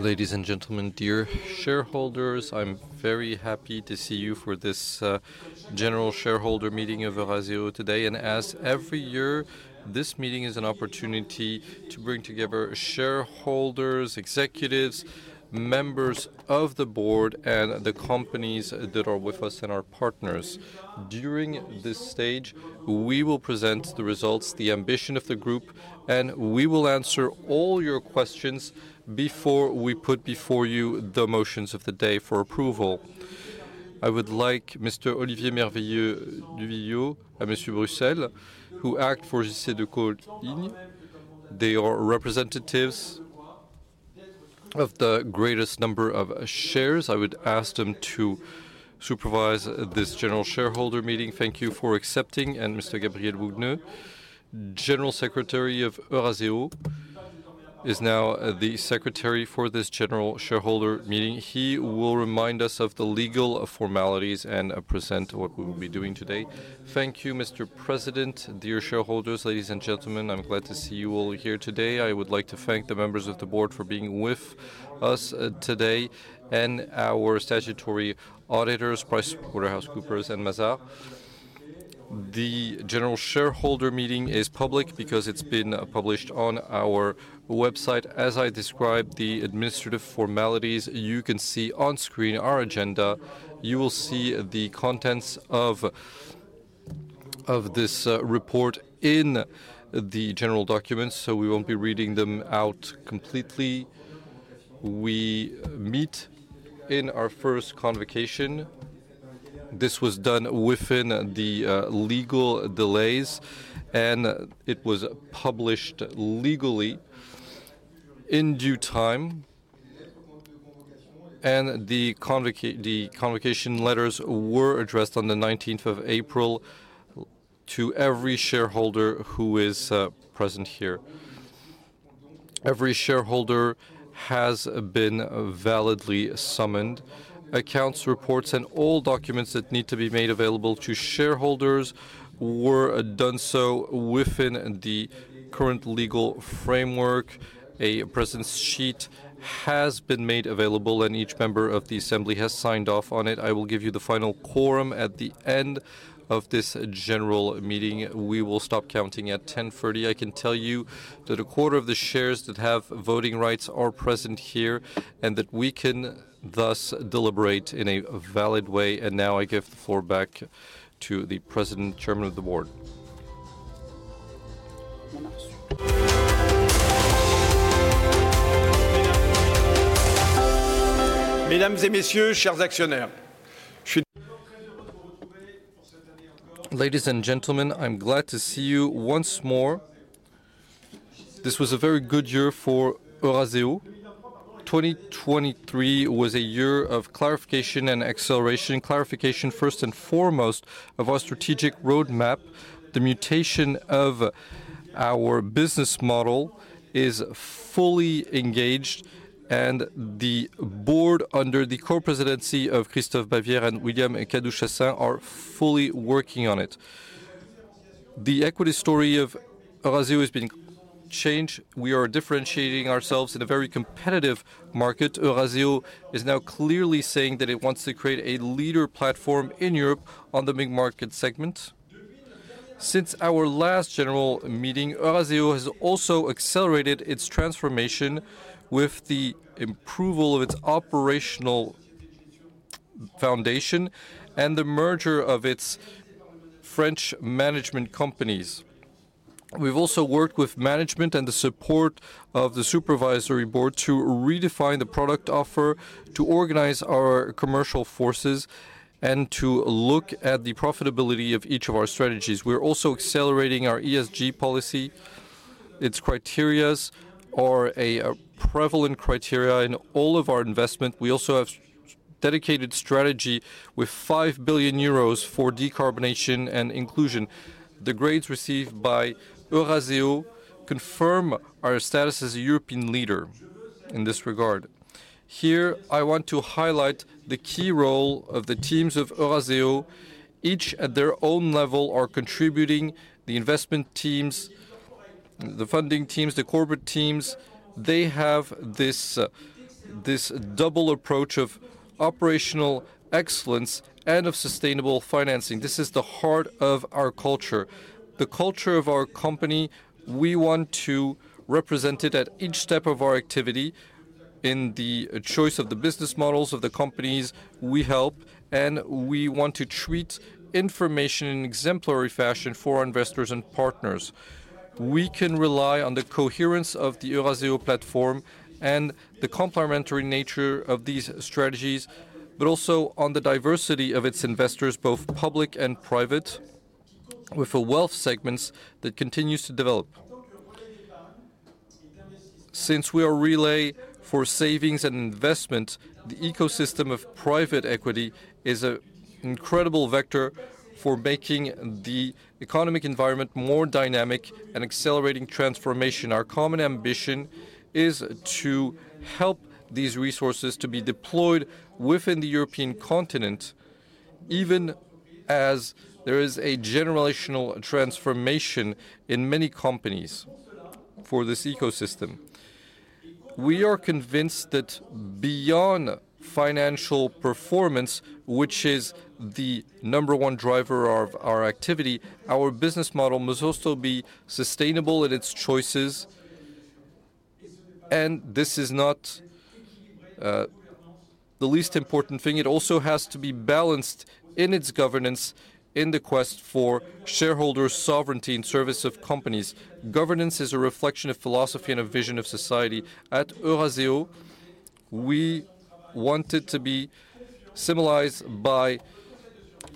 Ladies and gentlemen, dear shareholders, I'm very happy to see you for this general shareholder meeting of Eurazeo today. As every year, this meeting is an opportunity to bring together shareholders, executives, members of the board, and the companies that are with us, and our partners. During this stage, we will present the results, the ambition of the group, and we will answer all your questions before we put before you the motions of the day for approval. I would like Mr. Olivier Merveilleux du Vignaux, and Monsieur Bruxelles, who act for Cercle Coigny. They are representatives of the greatest number of shares. I would ask them to supervise this general shareholder meeting. Thank you for accepting. Mr. Gabriel Kunde, General Secretary of Eurazeo, is now the secretary for this general shareholder meeting. He will remind us of the legal formalities and present what we will be doing today. Thank you, Mr. President. Dear shareholders, ladies and gentlemen, I'm glad to see you all here today. I would like to thank the members of the board for being with us today, and our Statutory Auditors, PricewaterhouseCoopers and Mazars. The general shareholder meeting is public because it's been published on our website. As I describe the administrative formalities, you can see on screen our agenda. You will see the contents of this report in the general documents, so we won't be reading them out completely. We meet in our first convocation. This was done within the legal delays, and it was published legally in due time. The convocation letters were addressed on the nineteenth of April to every shareholder who is present here. Every shareholder has been validly summoned. Accounts, reports, and all documents that need to be made available to shareholders were done so within the current legal framework. A presence sheet has been made available, and each member of the assembly has signed off on it. I will give you the final quorum at the end of this general meeting. We will stop counting at 10:30. I can tell you that a quarter of the shares that have voting rights are present here, and that we can thus deliberate in a valid way. And now, I give the floor back to the president, Chairman of the Board. Ladies and gentlemen, I'm glad to see you once more. This was a very good year for Eurazeo. 2023 was a year of clarification and acceleration. Clarification, first and foremost, of our strategic roadmap. The mutation of our business model is fully engaged, and the board, under the co-presidency of Christophe Bavière and William Kadouch-Chassaing, are fully working on it. The equity story of Eurazeo is being changed. We are differentiating ourselves in a very competitive market. Eurazeo is now clearly saying that it wants to create a leader platform in Europe on the mid-market segment. Since our last general meeting, Eurazeo has also accelerated its transformation with the improvement of its operational foundation and the merger of its French management companies. We've also worked with management and the support of the supervisory board to redefine the product offer, to organize our commercial forces, and to look at the profitability of each of our strategies. We're also accelerating our ESG policy. Its criteria are prevalent criteria in all of our investment. We also have dedicated strategy with 5 billion euros for decarbonization and inclusion. The grades received by Eurazeo confirm our status as a European leader in this regard. Here, I want to highlight the key role of the teams of Eurazeo, each at their own level, are contributing: the investment teams, the funding teams, the corporate teams. They have this double approach of operational excellence and of sustainable financing. This is the heart of our culture. The culture of our company, we want to represent it at each step of our activity, in the choice of the business models of the companies we help, and we want to treat information in an exemplary fashion for our investors and partners. We can rely on the coherence of the Eurazeo platform and the complementary nature of these strategies, but also on the diversity of its investors, both public and private, with a Wealth segments that continues to develop. Since we are a relay for savings and investment, the ecosystem of private equity is an incredible vector for making the economic environment more dynamic and accelerating transformation. Our common ambition is to help these resources to be deployed within the European continent, even as there is a generational transformation in many companies for this ecosystem. We are convinced that beyond financial performance, which is the number one driver of our activity, our business model must also be sustainable in its choices, and this is not the least important thing. It also has to be balanced in its governance in the quest for shareholder sovereignty and service of companies. Governance is a reflection of philosophy and a vision of society. At Eurazeo, we want it to be symbolized by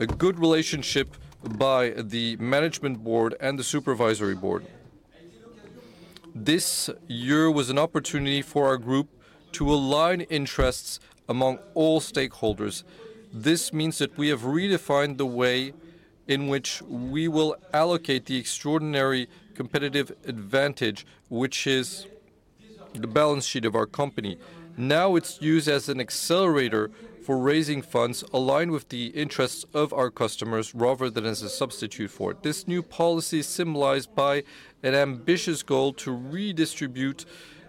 a good relationship by the management board and the supervisory board. This year was an opportunity for our group to align interests among all stakeholders. This means that we have redefined the way in which we will allocate the extraordinary competitive advantage, which is the balance sheet of our company. Now, it's used as an accelerator for raising funds aligned with the interests of our customers, rather than as a substitute for it. This new policy is symbolized by an ambitious goal to redistribute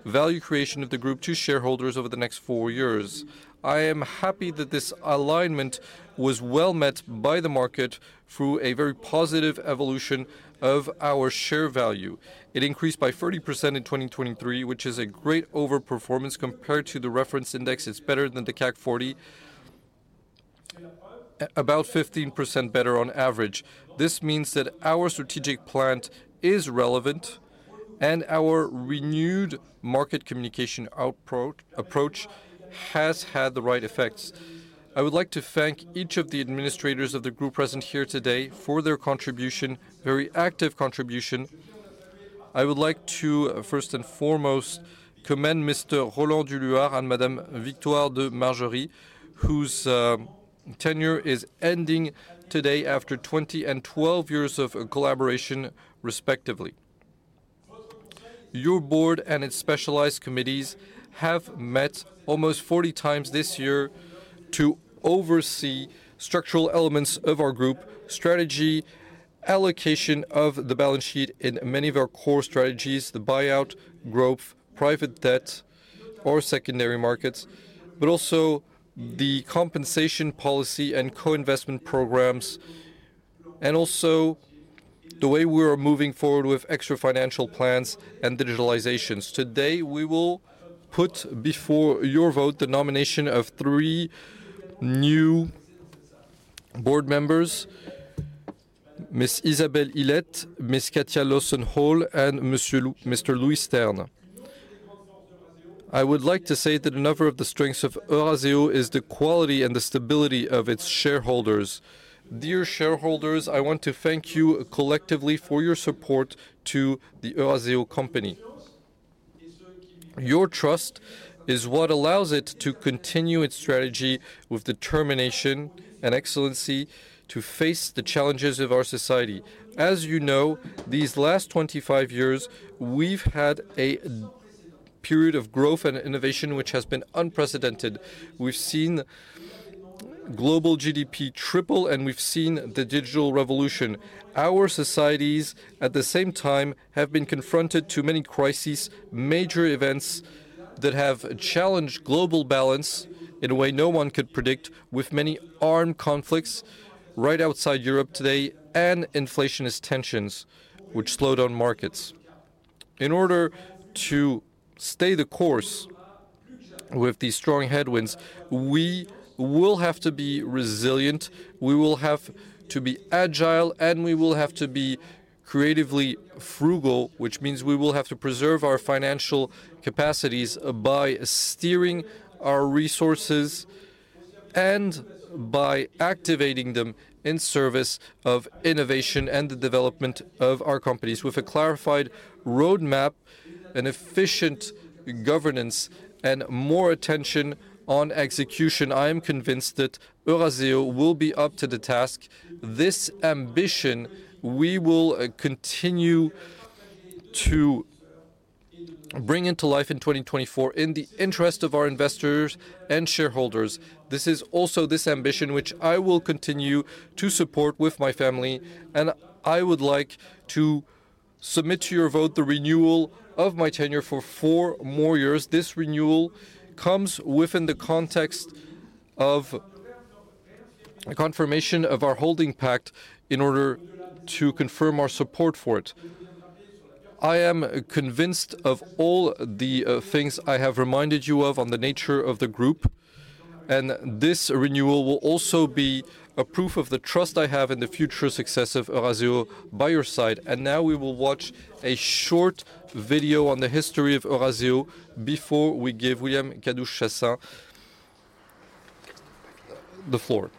value creation of the group to shareholders over the next four years. I am happy that this alignment was well met by the market through a very positive evolution of our share value. It increased by 30% in 2023, which is a great over-performance compared to the reference index. It's better than the CAC 40, about 15% better on average. This means that our strategic plan is relevant, and our renewed market communication approach has had the right effects. I would like to thank each of the administrators of the group present here today for their contribution, very active contribution. I would like to, first and foremost, commend Mr. Roland du Luart and Madame Victoire de Margerie, whose tenure is ending today after 20 and 12 years of collaboration, respectively. Your board and its specialized committees have met almost 40 times this year to oversee structural elements of our group strategy, allocation of the balance sheet in many of our core strategies, the buyout, growth, private debt or secondary markets, but also the compensation policy and co-investment programs, and also the way we are moving forward with extra financial plans and digitalizations. Today, we will put before your vote the nomination of three new board members: Ms. Isabelle Ealet, Ms. Katja Hall, and Mr. Louis Stern. I would like to say that another of the strengths of Eurazeo is the quality and the stability of its shareholders. Dear shareholders, I want to thank you collectively for your support to the Eurazeo company. Your trust is what allows it to continue its strategy with determination and excellence to face the challenges of our society. As you know, these last 25 years, we've had a period of growth and innovation which has been unprecedented. We've seen global GDP triple, and we've seen the digital revolution. Our societies, at the same time, have been confronted to many crises, major events that have challenged global balance in a way no one could predict, with many armed conflicts right outside Europe today and inflationist tensions, which slowed down markets. In order to stay the course with these strong headwinds, we will have to be resilient, we will have to be agile, and we will have to be creatively frugal, which means we will have to preserve our financial capacities by steering our resources and by activating them in service of innovation and the development of our companies. With a clarified roadmap, an efficient governance, and more attention on execution, I am convinced that Eurazeo will be up to the task. This ambition, we will continue to bring into life in 2024 in the interest of our investors and shareholders. This is also this ambition, which I will continue to support with my family, and I would like to submit to your vote the renewal of my tenure for 4 more years. This renewal comes within the context of a confirmation of our holding pact in order to confirm our support for it. I am convinced of all the things I have reminded you of on the nature of the group, and this renewal will also be a proof of the trust I have in the future success of Eurazeo by your side. Now we will watch a short video on the history of Eurazeo before we give William Kadouch-Chassaing the floor.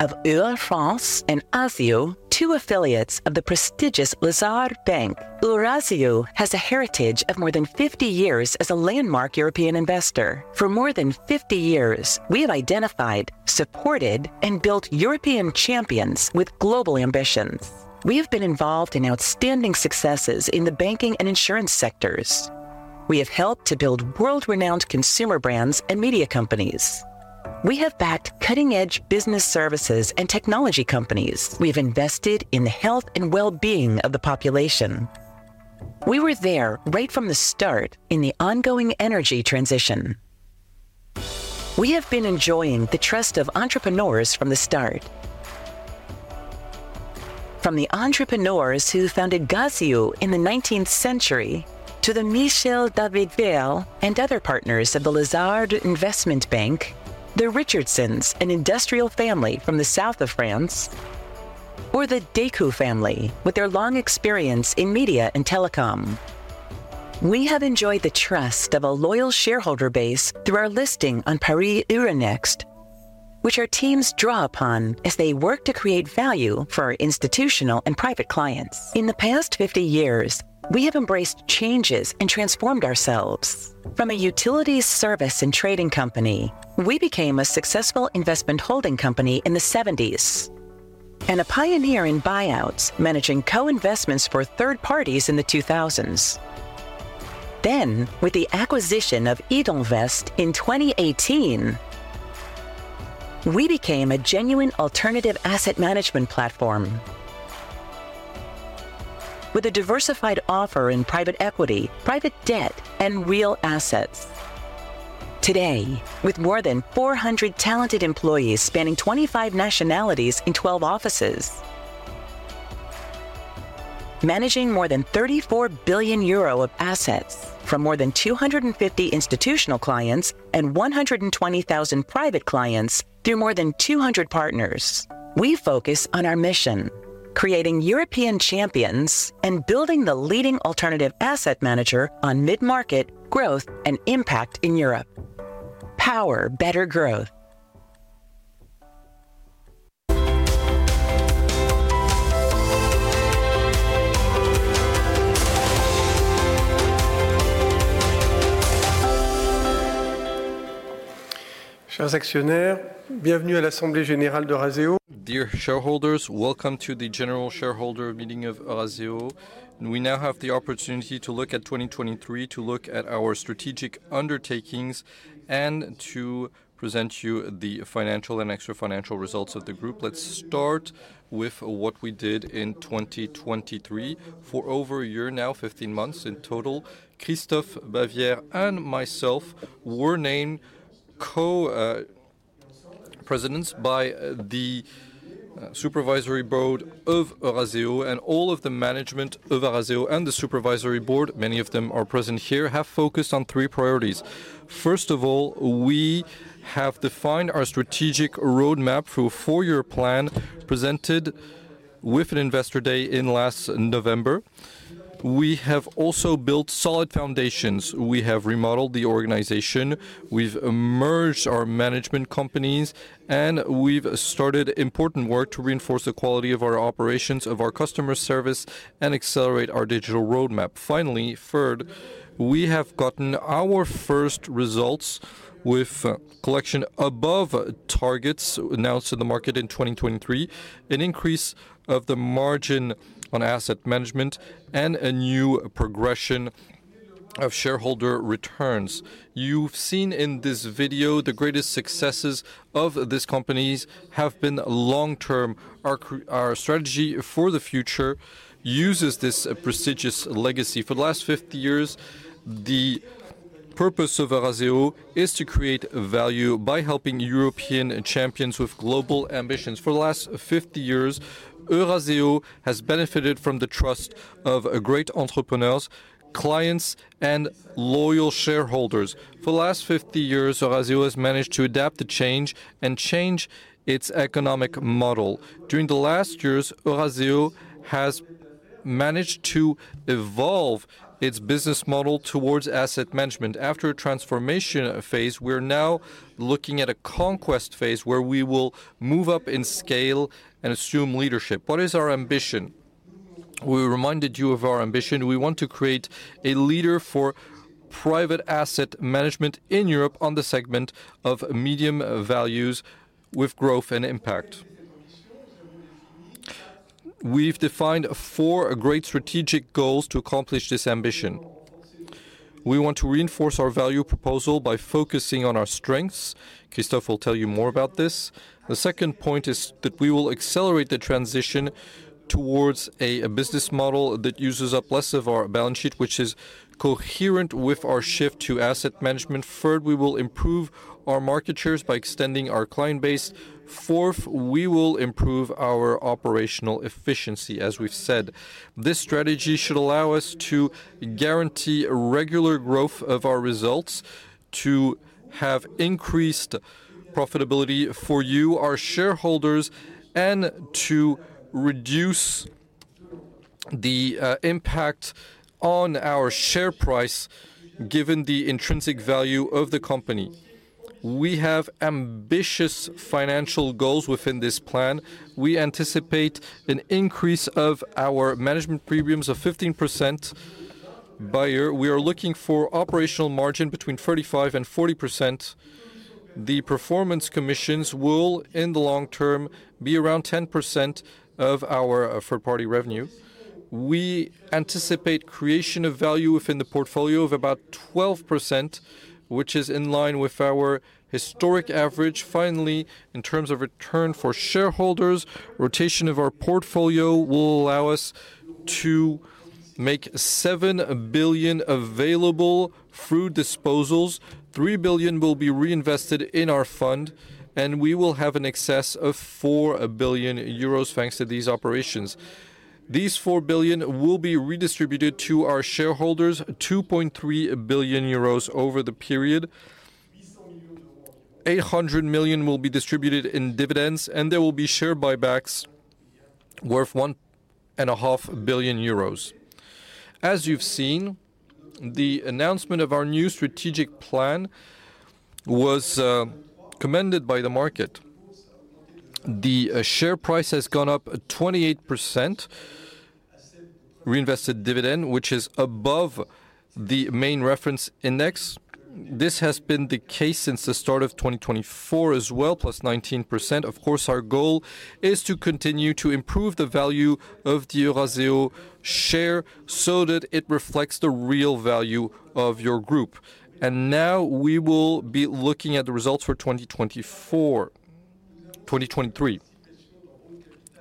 Of Eurafrance and Azeo, two affiliates of the prestigious Lazard Bank. Eurazeo has a heritage of more than 50 years as a landmark European investor. For more than 50 years, we have identified, supported, and built European champions with global ambitions. We have been involved in outstanding successes in the banking and insurance sectors. We have helped to build world-renowned consumer brands and media companies. We have backed cutting-edge business services and technology companies. We've invested in the health and well-being of the population. We were there right from the start in the ongoing energy transition. We have been enjoying the trust of entrepreneurs from the start. From the entrepreneurs who founded Gaz et Eaux in the nineteenth century, to the Michel David-Weill and other partners of the Lazard investment bank, the Richardsons, an industrial family from the south of France, or the Decaux family, with their long experience in media and telecom. We have enjoyed the trust of a loyal shareholder base through our listing on Euronext Paris, which our teams draw upon as they work to create value for our institutional and private clients. In the past 50 years, we have embraced changes and transformed ourselves. From a utilities service and trading company, we became a successful investment holding company in the 1970s, and a pioneer in buyouts, managing co-investments for third parties in the 2000s. Then, with the acquisition of Idinvest in 2018, we became a genuine alternative asset management platform, with a diversified offer in private equity, private debt, and real assets. Today, with more than 400 talented employees spanning 25 nationalities in 12 offices, managing more than 34 billion euro of assets from more than 250 institutional clients and 120,000 private clients through more than 200 partners, we focus on our mission: creating European champions and building the leading alternative asset manager on mid-market growth and impact in Europe. Power Better Growth. Dear shareholders, welcome to the general shareholder meeting of Eurazeo. We now have the opportunity to look at 2023, to look at our strategic undertakings, and to present you the financial and extra financial results of the group. Let's start with what we did in 2023. For over a year now, 15 months in total, Christophe Bavière and myself were named co-presidents by the supervisory board of Eurazeo, and all of the management of Eurazeo and the supervisory board, many of them are present here, have focused on three priorities. First of all, we have defined our strategic roadmap through a four-year plan, presented with an investor day in last November. We have also built solid foundations. We have remodeled the organization, we've merged our management companies, and we've started important work to reinforce the quality of our operations, of our customer service, and accelerate our digital roadmap. Finally, third, we have gotten our first results with collection above targets announced to the market in 2023, an increase of the margin on asset management, and a new progression of shareholder returns. You've seen in this video, the greatest successes of these companies have been long-term. Our our strategy for the future uses this prestigious legacy. For the last 50 years, the purpose of Eurazeo is to create value by helping European champions with global ambitions. For the last 50 years, Eurazeo has benefited from the trust of great entrepreneurs, clients, and loyal shareholders. For the last 50 years, Eurazeo has managed to adapt to change and change its economic model. During the last years, Eurazeo has managed to evolve its business model towards asset management. After a transformation phase, we're now looking at a conquest phase, where we will move up in scale and assume leadership. What is our ambition? We reminded you of our ambition. We want to create a leader for private asset management in Europe on the segment of medium values with growth and impact. We've defined four great strategic goals to accomplish this ambition. We want to reinforce our value proposal by focusing on our strengths. Christophe will tell you more about this. The second point is that we will accelerate the transition towards a business model that uses up less of our balance sheet, which is coherent with our shift to asset management. Third, we will improve our market shares by extending our client base. Fourth, we will improve our operational efficiency, as we've said. This strategy should allow us to guarantee a regular growth of our results, to have increased profitability for you, our shareholders, and to reduce the impact on our share price, given the intrinsic value of the company. We have ambitious financial goals within this plan. We anticipate an increase of our management premiums of 15% by year. We are looking for operational margin between 35%-40%. The performance commissions will, in the long term, be around 10% of our third-party revenue. We anticipate creation of value within the portfolio of about 12%, which is in line with our historic average. Finally, in terms of return for shareholders, rotation of our portfolio will allow us to make 7 billion available through disposals. 3 billion will be reinvested in our fund, and we will have an excess of 4 billion euros, thanks to these operations. These 4 billion will be redistributed to our shareholders, 2.3 billion euros over the period. 800 million will be distributed in dividends, and there will be share buybacks worth 1.5 billion euros. As you've seen, the announcement of our new strategic plan was commended by the market. The share price has gone up 28%, reinvested dividend, which is above the main reference index. This has been the case since the start of 2024 as well, +19%. Of course, our goal is to continue to improve the value of the Eurazeo share so that it reflects the real value of your group. And now we will be looking at the results for 2024... 2023.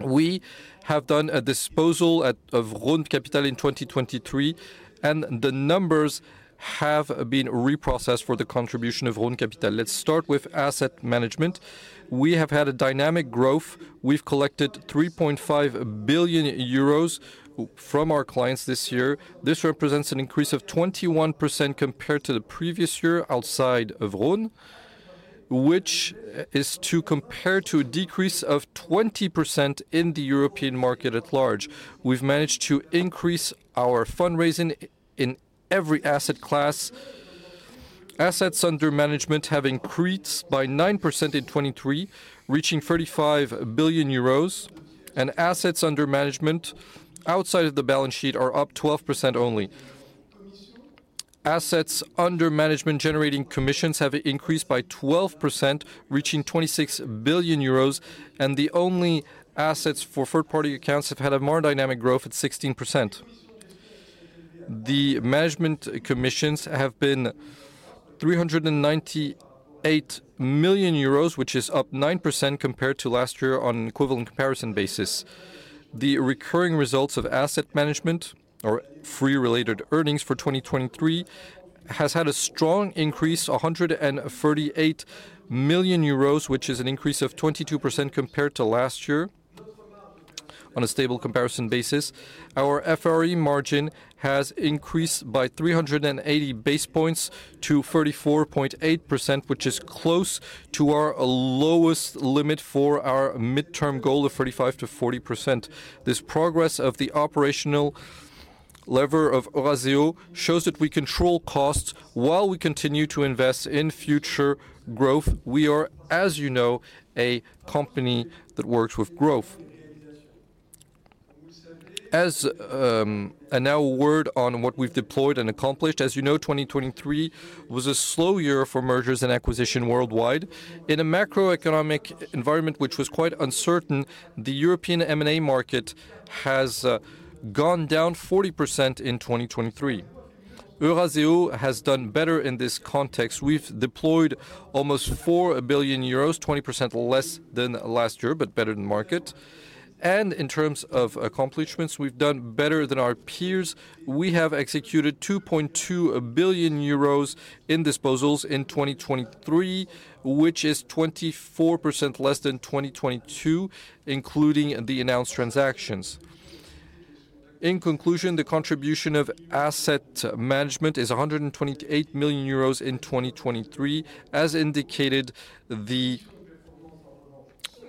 We have done a disposal of Rhône Capital in 2023, and the numbers have been reprocessed for the contribution of Rhône Capital. Let's start with asset management. We have had a dynamic growth. We've collected 3.5 billion euros from our clients this year. This represents an increase of 21% compared to the previous year outside of Rhône, which is to compare to a decrease of 20% in the European market at large. We've managed to increase our fundraising in every asset class. Assets under management have increased by 9% in 2023, reaching 35 billion euros, and assets under management outside of the balance sheet are up 12% only. Assets under management generating commissions have increased by 12%, reaching 26 billion euros, and the only assets for third-party accounts have had a more dynamic growth at 16%. The management commissions have been 398 million euros, which is up 9% compared to last year on equivalent comparison basis. The recurring results of asset management or fee-related earnings for 2023 has had a strong increase, 138 million euros, which is an increase of 22% compared to last year on a stable comparison basis. Our FRE margin has increased by 380 basis points to 34.8%, which is close to our lowest limit for our midterm goal of 35%-40%. This progress of the operational lever of Eurazeo shows that we control costs while we continue to invest in future growth. We are, as you know, a company that works with growth. As... And now a word on what we've deployed and accomplished. As you know, 2023 was a slow year for mergers and acquisition worldwide. In a macroeconomic environment, which was quite uncertain, the European M&A market has gone down 40% in 2023. Eurazeo has done better in this context. We've deployed almost 4 billion euros, 20% less than last year, but better than market. And in terms of accomplishments, we've done better than our peers. We have executed 2.2 billion euros in disposals in 2023, which is 24% less than 2022, including the announced transactions. In conclusion, the contribution of asset management is 128 million euros in 2023. As indicated,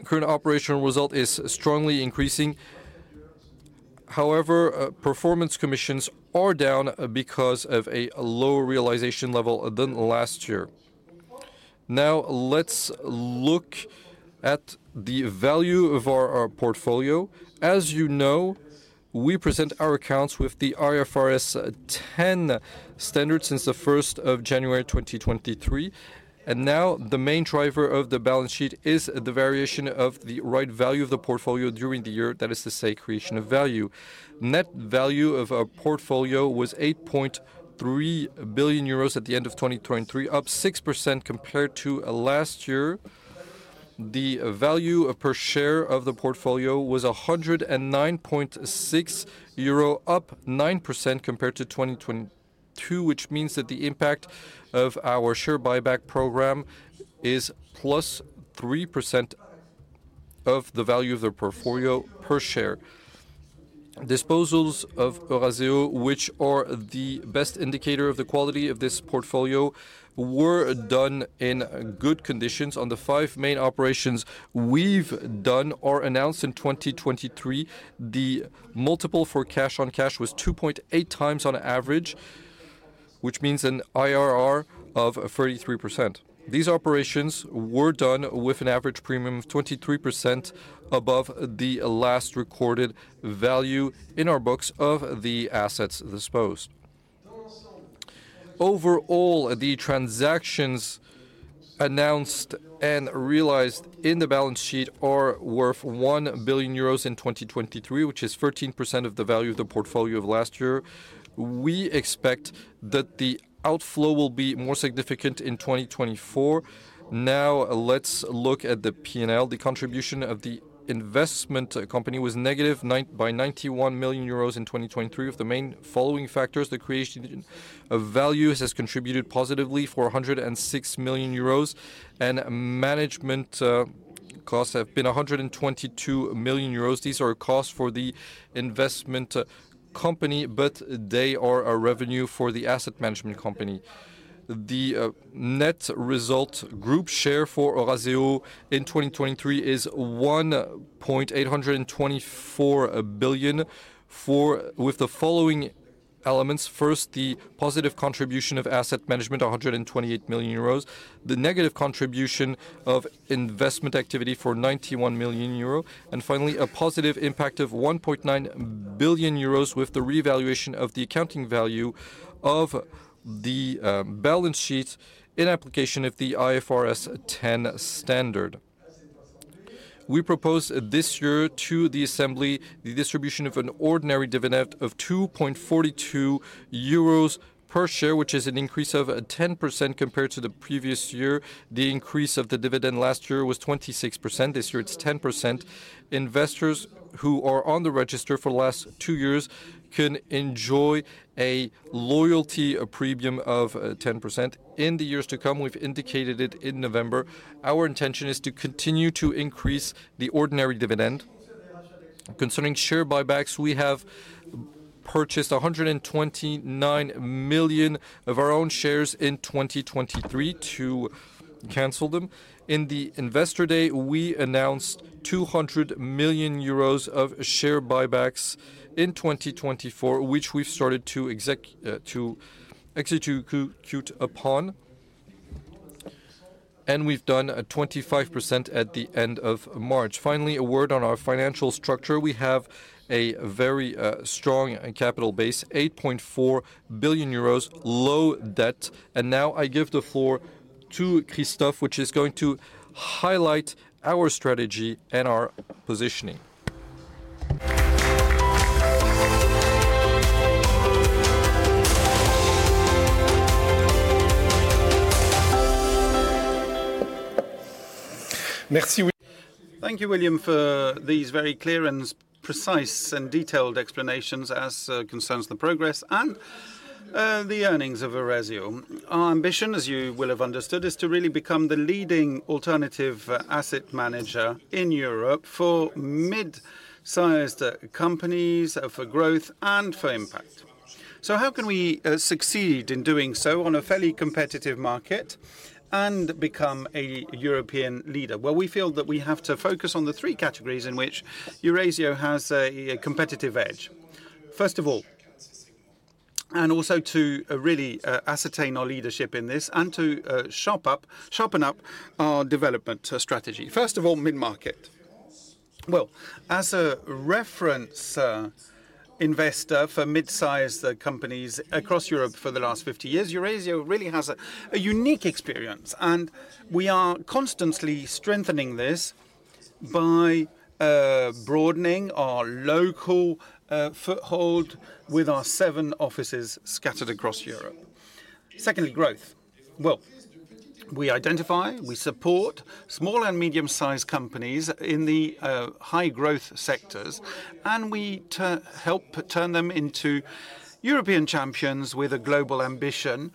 the current operational result is strongly increasing. However, performance commissions are down because of a lower realization level than last year. Now, let's look at the value of our portfolio. As you know, we present our accounts with the IFRS 10 standard since January 1, 2023, and now the main driver of the balance sheet is the variation of the fair value of the portfolio during the year, that is to say, creation of value. Net value of our portfolio was 8.3 billion euros at the end of 2023, up 6% compared to last year. The value per share of the portfolio was 109.6 euro, up 9% compared to 2022, which means that the impact of our share buyback program is +3% of the value of the portfolio per share. Disposals of Eurazeo, which are the best indicator of the quality of this portfolio, were done in good conditions. On the 5 main operations we've done or announced in 2023, the multiple for cash-on-cash was 2.8x on average, which means an IRR of 33%. These operations were done with an average premium of 23% above the last recorded value in our books of the assets disposed... Overall, the transactions announced and realized in the balance sheet are worth 1 billion euros in 2023, which is 13% of the value of the portfolio of last year. We expect that the outflow will be more significant in 2024. Now, let's look at the P&L. The contribution of the investment company was negative ninety-one million euros in 2023, with the main following factors: the creation of values has contributed positively for 106 million euros, and management costs have been 122 million euros. These are costs for the investment company, but they are a revenue for the asset management company. The net result group share for Eurazeo in 2023 is 1.824 billion with the following elements: first, the positive contribution of asset management, 128 million euros; the negative contribution of investment activity for 91 million euros; and finally, a positive impact of 1.9 billion euros with the revaluation of the accounting value of the balance sheet in application of the IFRS 10 standard. We propose this year to the assembly, the distribution of an ordinary dividend of 2.42 euros per share, which is an increase of ten percent compared to the previous year. The increase of the dividend last year was 26%, this year it's 10%. Investors who are on the register for the last two years can enjoy a loyalty premium of ten percent. In the years to come, we've indicated it in November, our intention is to continue to increase the ordinary dividend. Concerning share buybacks, we have purchased 129 million of our own shares in 2023 to cancel them. In the investor day, we announced 200 million euros of share buybacks in 2024, which we've started to execute upon, and we've done 25% at the end of March. Finally, a word on our financial structure. We have a very strong capital base, 8.4 billion euros, low debt. And now I give the floor to Christophe, which is going to highlight our strategy and our positioning. Thank you, William, for these very clear and precise and detailed explanations as concerns the progress and the earnings of Eurazeo. Our ambition, as you will have understood, is to really become the leading alternative asset manager in Europe for mid-sized companies for growth and for impact. So how can we succeed in doing so on a fairly competitive market and become a European leader? Well, we feel that we have to focus on the three categories in which Eurazeo has a competitive edge. First of all, and also to really ascertain our leadership in this and to sharp up, sharpen up our development strategy. First of all, mid-market. Well, as a reference investor for mid-sized companies across Europe for the last 50 years, Eurazeo really has a unique experience, and we are constantly strengthening this by broadening our local foothold with our 7 offices scattered across Europe. Secondly, growth. Well, we identify, we support small and medium-sized companies in the high-growth sectors, and we help turn them into European champions with a global ambition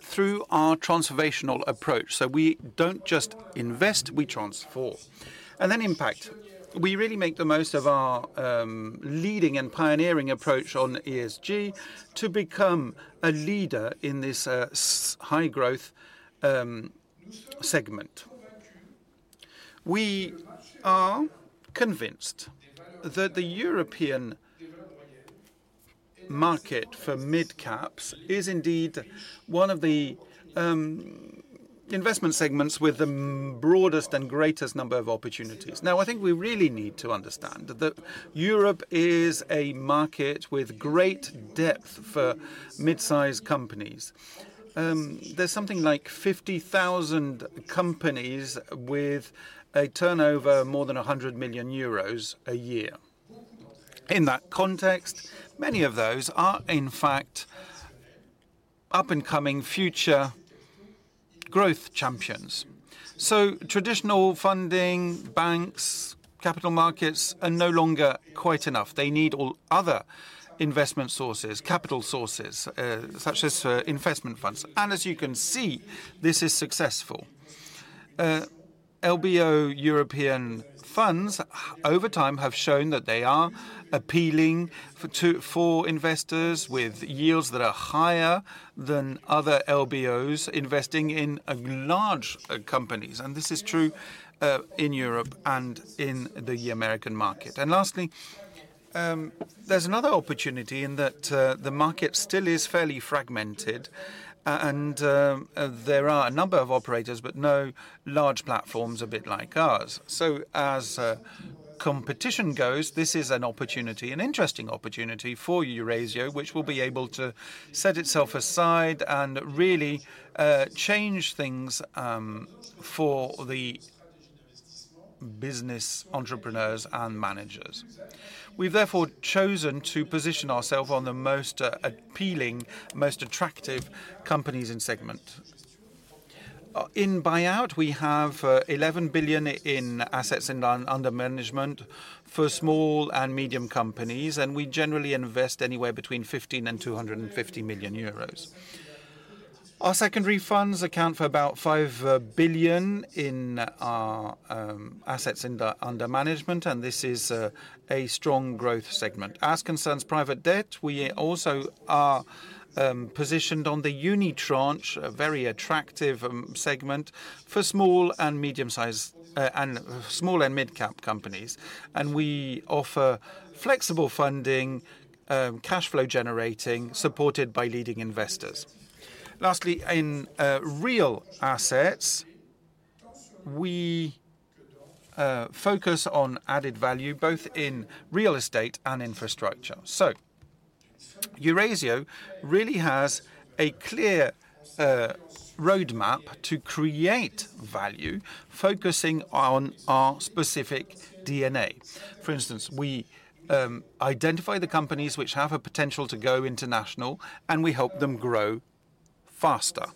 through our transformational approach. So we don't just invest, we transform. And then impact. We really make the most of our leading and pioneering approach on ESG to become a leader in this high-growth segment. We are convinced that the European market for mid caps is indeed one of the investment segments with the broadest and greatest number of opportunities. Now, I think we really need to understand that Europe is a market with great depth for mid-sized companies. There's something like 50,000 companies with a turnover more than 100 million euros a year. In that context, many of those are, in fact, up-and-coming future growth champions. So traditional funding, banks, capital markets are no longer quite enough. They need all other investment sources, capital sources, such as investment funds. And as you can see, this is successful. LBO European funds, over time, have shown that they are appealing for investors with yields that are higher than other LBOs investing in large companies, and this is true in Europe and in the American market. And lastly-... There's another opportunity in that, the market still is fairly fragmented, and there are a number of operators, but no large platforms a bit like ours. So as competition goes, this is an opportunity, an interesting opportunity for Eurazeo, which will be able to set itself aside and really change things for the business entrepreneurs and managers. We've therefore chosen to position ourselves on the most appealing, most attractive companies in segment. In buyout, we have eleven billion in assets under management for small and medium companies, and we generally invest anywhere between 15 million and 250 million euros. Our secondary funds account for about 5 billion in our assets under management, and this is a strong growth segment. As concerns private debt, we also are positioned on the unitranche, a very attractive segment for small and medium-sized and small and mid-cap companies, and we offer flexible funding cashflow generating, supported by leading investors. Lastly, in real assets, we focus on added value, both in real estate and infrastructure. So Eurazeo really has a clear roadmap to create value, focusing on our specific DNA. For instance, we identify the companies which have a potential to go international, and we help them grow faster.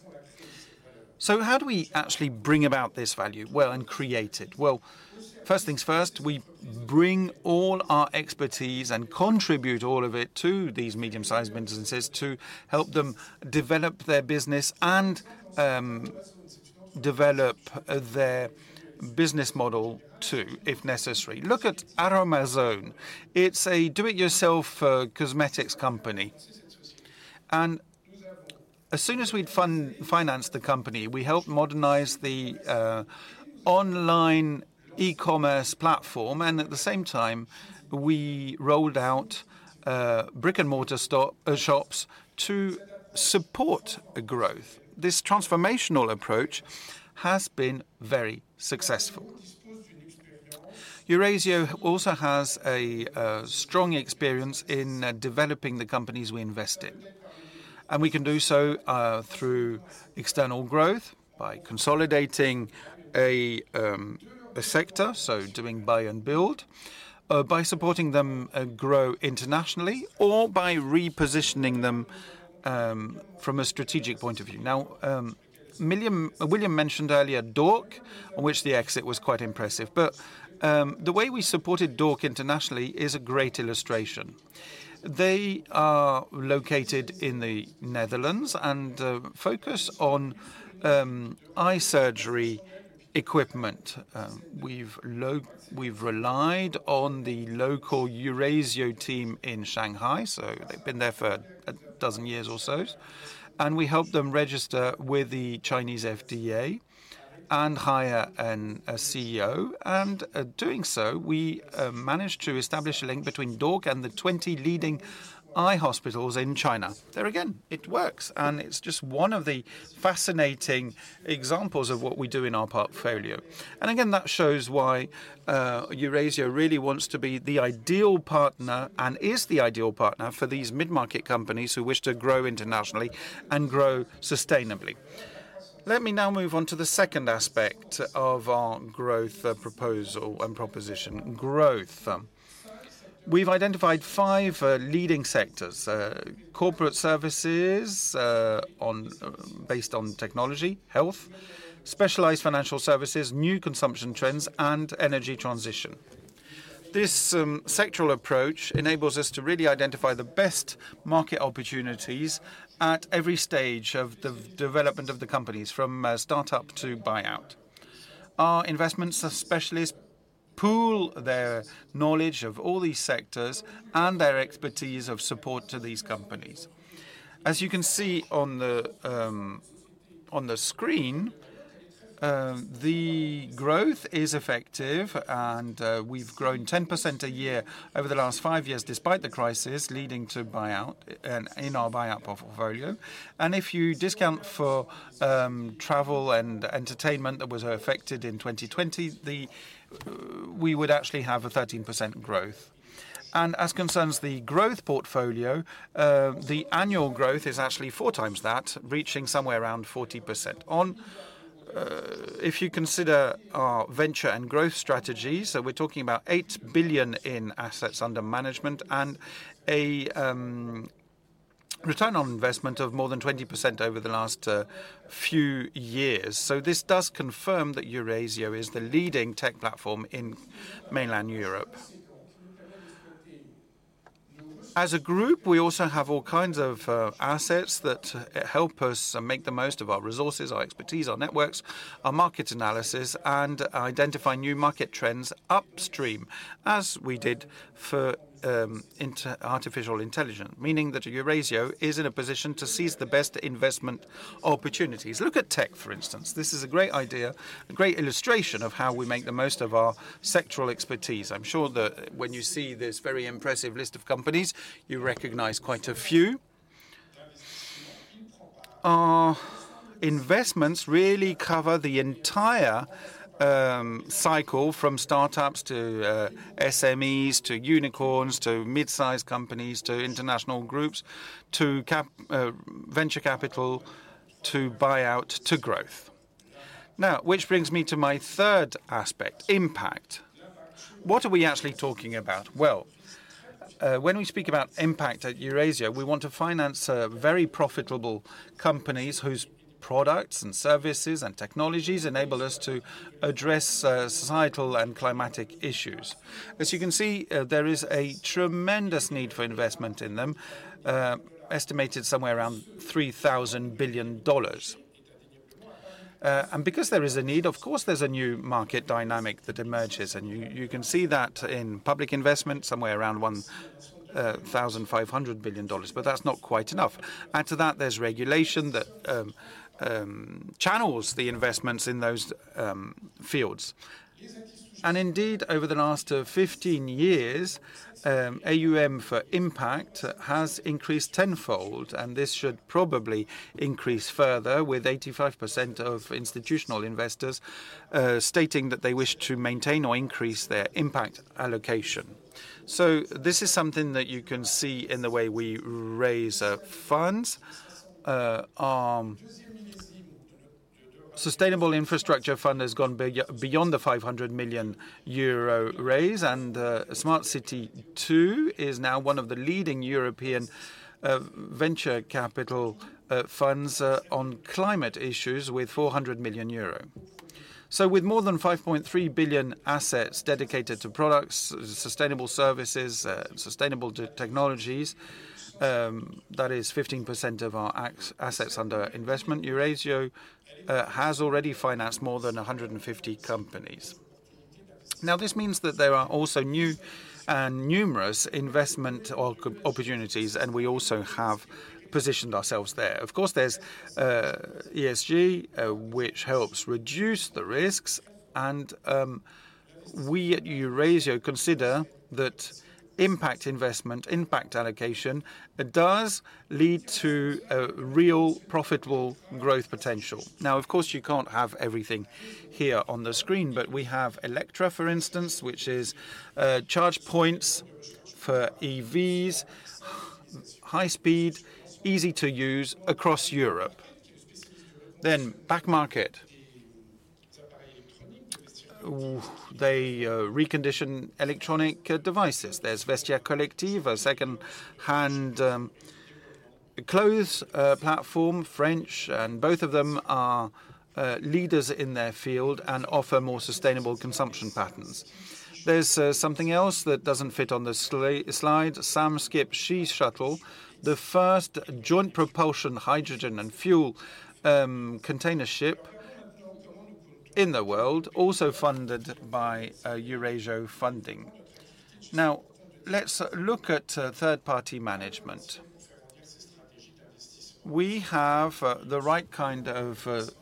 So how do we actually bring about this value well and create it? Well, first things first, we bring all our expertise and contribute all of it to these medium-sized businesses to help them develop their business and develop their business model too, if necessary. Look at Aroma-Zone. It's a do-it-yourself cosmetics company, and as soon as we'd financed the company, we helped modernize the online e-commerce platform, and at the same time, we rolled out brick-and-mortar store shops to support growth. This transformational approach has been very successful. Eurazeo also has a strong experience in developing the companies we invest in, and we can do so through external growth, by consolidating a sector, so doing buy and build, by supporting them grow internationally or by repositioning them from a strategic point of view. Now, William mentioned earlier D.O.R.C., on which the exit was quite impressive, but the way we supported D.O.R.C. internationally is a great illustration. They are located in the Netherlands and focus on eye surgery equipment. We've relied on the local Eurazeo team in Shanghai, so they've been there for a dozen years or so, and we helped them register with the Chinese FDA and hire a CEO, and doing so, we managed to establish a link between D.O.R.C. and the 20 leading eye hospitals in China. There again, it works, and it's just one of the fascinating examples of what we do in our portfolio. Again, that shows why Eurazeo really wants to be the ideal partner and is the ideal partner for these mid-market companies who wish to grow internationally and grow sustainably. Let me now move on to the second aspect of our growth proposal and proposition. Growth. We've identified 5 leading sectors: corporate services, on based on technology, health, specialized financial services, new consumption trends, and energy transition. This sectoral approach enables us to really identify the best market opportunities at every stage of the development of the companies, from start-up to buyout. Our investment specialists pool their knowledge of all these sectors and their expertise of support to these companies. As you can see on the screen, the growth is effective, and we've grown 10% a year over the last 5 years, despite the crisis leading to buyout in our buyout portfolio. And if you discount for travel and entertainment that was affected in 2020, we would actually have a 13% growth. And as concerns the growth portfolio, the annual growth is actually 4 times that, reaching somewhere around 40%. If you consider our venture and growth strategies, so we're talking about 8 billion in assets under management and a return on investment of more than 20% over the last few years. So this does confirm that Eurazeo is the leading tech platform in mainland Europe. As a group, we also have all kinds of assets that help us make the most of our resources, our expertise, our networks, our market analysis, and identify new market trends upstream, as we did for artificial intelligence, meaning that Eurazeo is in a position to seize the best investment opportunities. Look at tech, for instance. This is a great idea, a great illustration of how we make the most of our sectoral expertise. I'm sure that when you see this very impressive list of companies, you recognize quite a few. Our investments really cover the entire cycle from start-ups to SMEs to unicorns to mid-sized companies to international groups to venture capital to buyout to growth. Now, which brings me to my third aspect, impact. What are we actually talking about? Well, when we speak about impact at Eurazeo, we want to finance very profitable companies whose products, and services, and technologies enable us to address societal and climatic issues. As you can see, there is a tremendous need for investment in them estimated somewhere around $3 trillion. And because there is a need, of course, there's a new market dynamic that emerges, and you can see that in public investment, somewhere around $1.5 trillion, but that's not quite enough. Add to that, there's regulation that channels the investments in those fields. And indeed, over the last 15 years, AUM for impact has increased tenfold, and this should probably increase further, with 85% of institutional investors stating that they wish to maintain or increase their impact allocation. So this is something that you can see in the way we raise funds. Our Sustainable Infrastructure Fund has gone big beyond the 500 million euro raise, and Smart City II is now one of the leading European venture capital funds on climate issues with 400 million euro. So with more than 5.3 billion assets dedicated to products, sustainable services, sustainable technologies, that is 15% of our assets under investment, Eurazeo has already financed more than 150 companies. Now, this means that there are also new and numerous investment opportunities, and we also have positioned ourselves there. Of course, there's ESG, which helps reduce the risks, and we at Eurazeo consider that impact investment, impact allocation, it does lead to a real profitable growth potential. Now, of course, you can't have everything here on the screen, but we have Electra, for instance, which is charge points for EVs, high speed, easy to use across Europe. Then Back Market. Ooh, they recondition electronic devices. There's Vestiaire Collective, a second-hand clothes platform, French, and both of them are leaders in their field and offer more sustainable consumption patterns. There's something else that doesn't fit on this slide, Samskip SeaShuttle, the first joint propulsion, hydrogen, and fuel container ship in the world, also funded by Eurazeo. Now, let's look at third-party management. We have the right kind of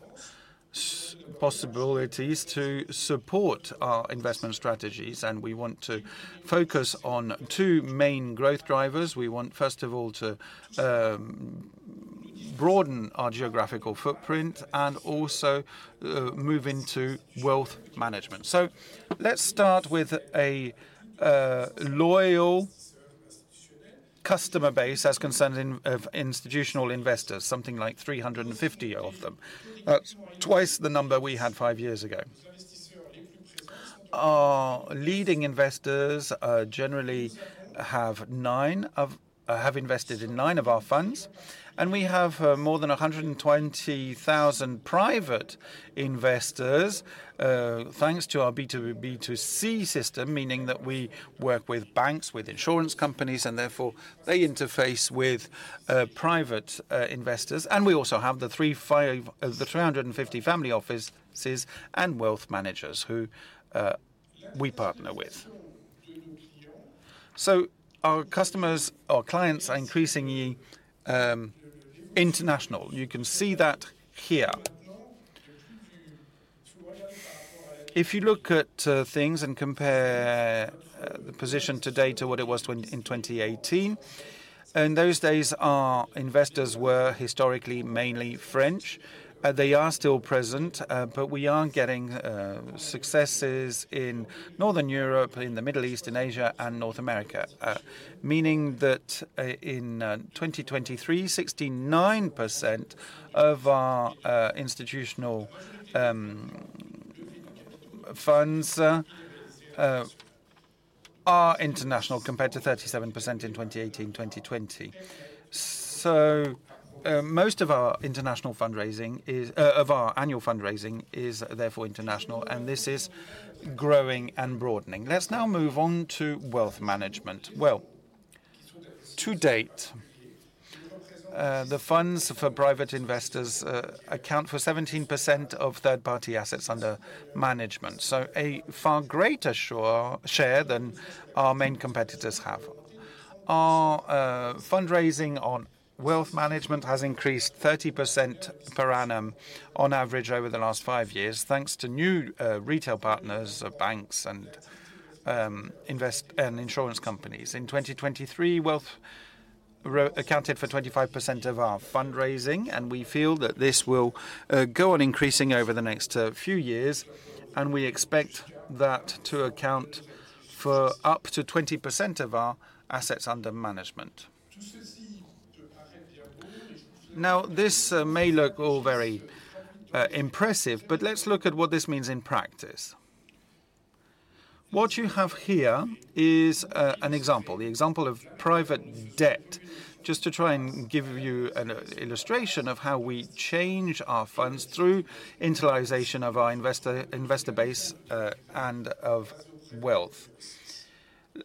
possibilities to support our investment strategies, and we want to focus on two main growth drivers. We want, first of all, to broaden our geographical footprint and also move into wealth management. So let's start with a loyal customer base of institutional investors, something like 350 of them, twice the number we had five years ago. Our leading investors generally have invested in nine of our funds, and we have more than 120,000 private investors, thanks to our B2B, B2C system, meaning that we work with banks, with insurance companies, and therefore, they interface with private investors. And we also have the 350 family offices and wealth managers who we partner with. So our customers or clients are increasingly international. You can see that here. If you look at things and compare the position to date to what it was in 2018, in those days, our investors were historically mainly French. They are still present, but we are getting successes in Northern Europe, in the Middle East, and Asia, and North America. Meaning that, in 2023, 69% of our institutional funds are international, compared to 37% in 2018, 2020. So, most of our international fundraising is of our annual fundraising is therefore international, and this is growing and broadening. Let's now move on to wealth management. Well, to date, the funds for private investors account for 17% of third-party assets under management, so a far greater share than our main competitors have. Our fundraising on wealth management has increased 30% per annum on average over the last 5 years, thanks to new retail partners, banks and invest and insurance companies. In 2023, wealth-... accounted for 25% of our fundraising, and we feel that this will go on increasing over the next few years, and we expect that to account for up to 20% of our assets under management. Now, this may look all very impressive, but let's look at what this means in practice. What you have here is an example, the example of private debt, just to try and give you an illustration of how we change our funds through internalization of our investor base and of wealth.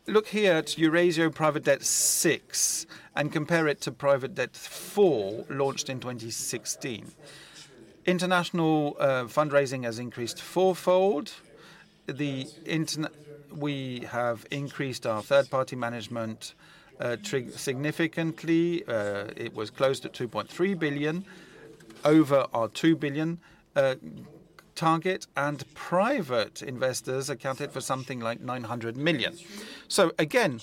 Look here at Eurazeo Private Debt VI and compare it to Private Debt IV, launched in 2016. International fundraising has increased fourfold. The internal we have increased our third-party management significantly. It was closed at 2.3 billion, over our 2 billion target, and private investors accounted for something like 900 million. So again,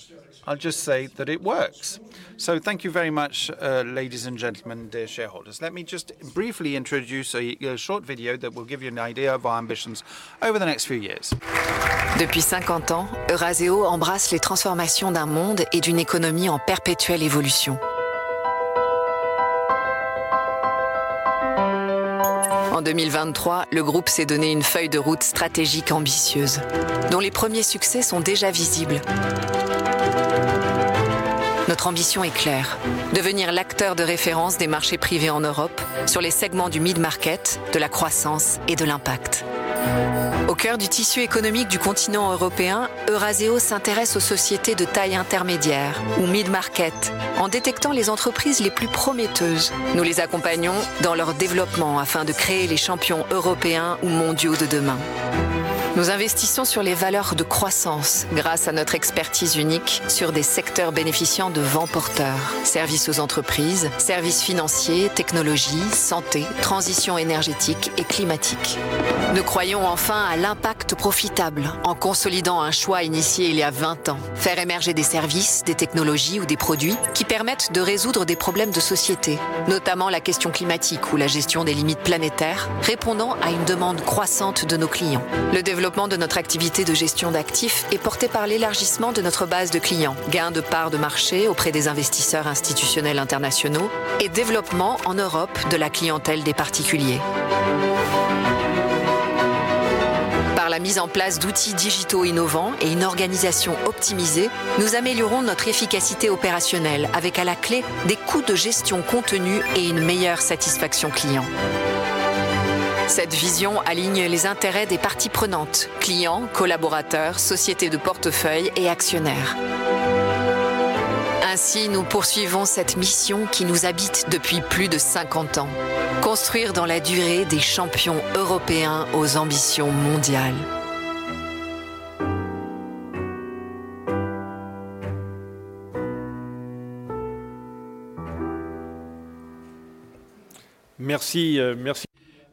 I'll just say that it works. So thank you very much, ladies and gentlemen, dear shareholders. Let me just briefly introduce a short video that will give you an idea of our ambitions over the next few years.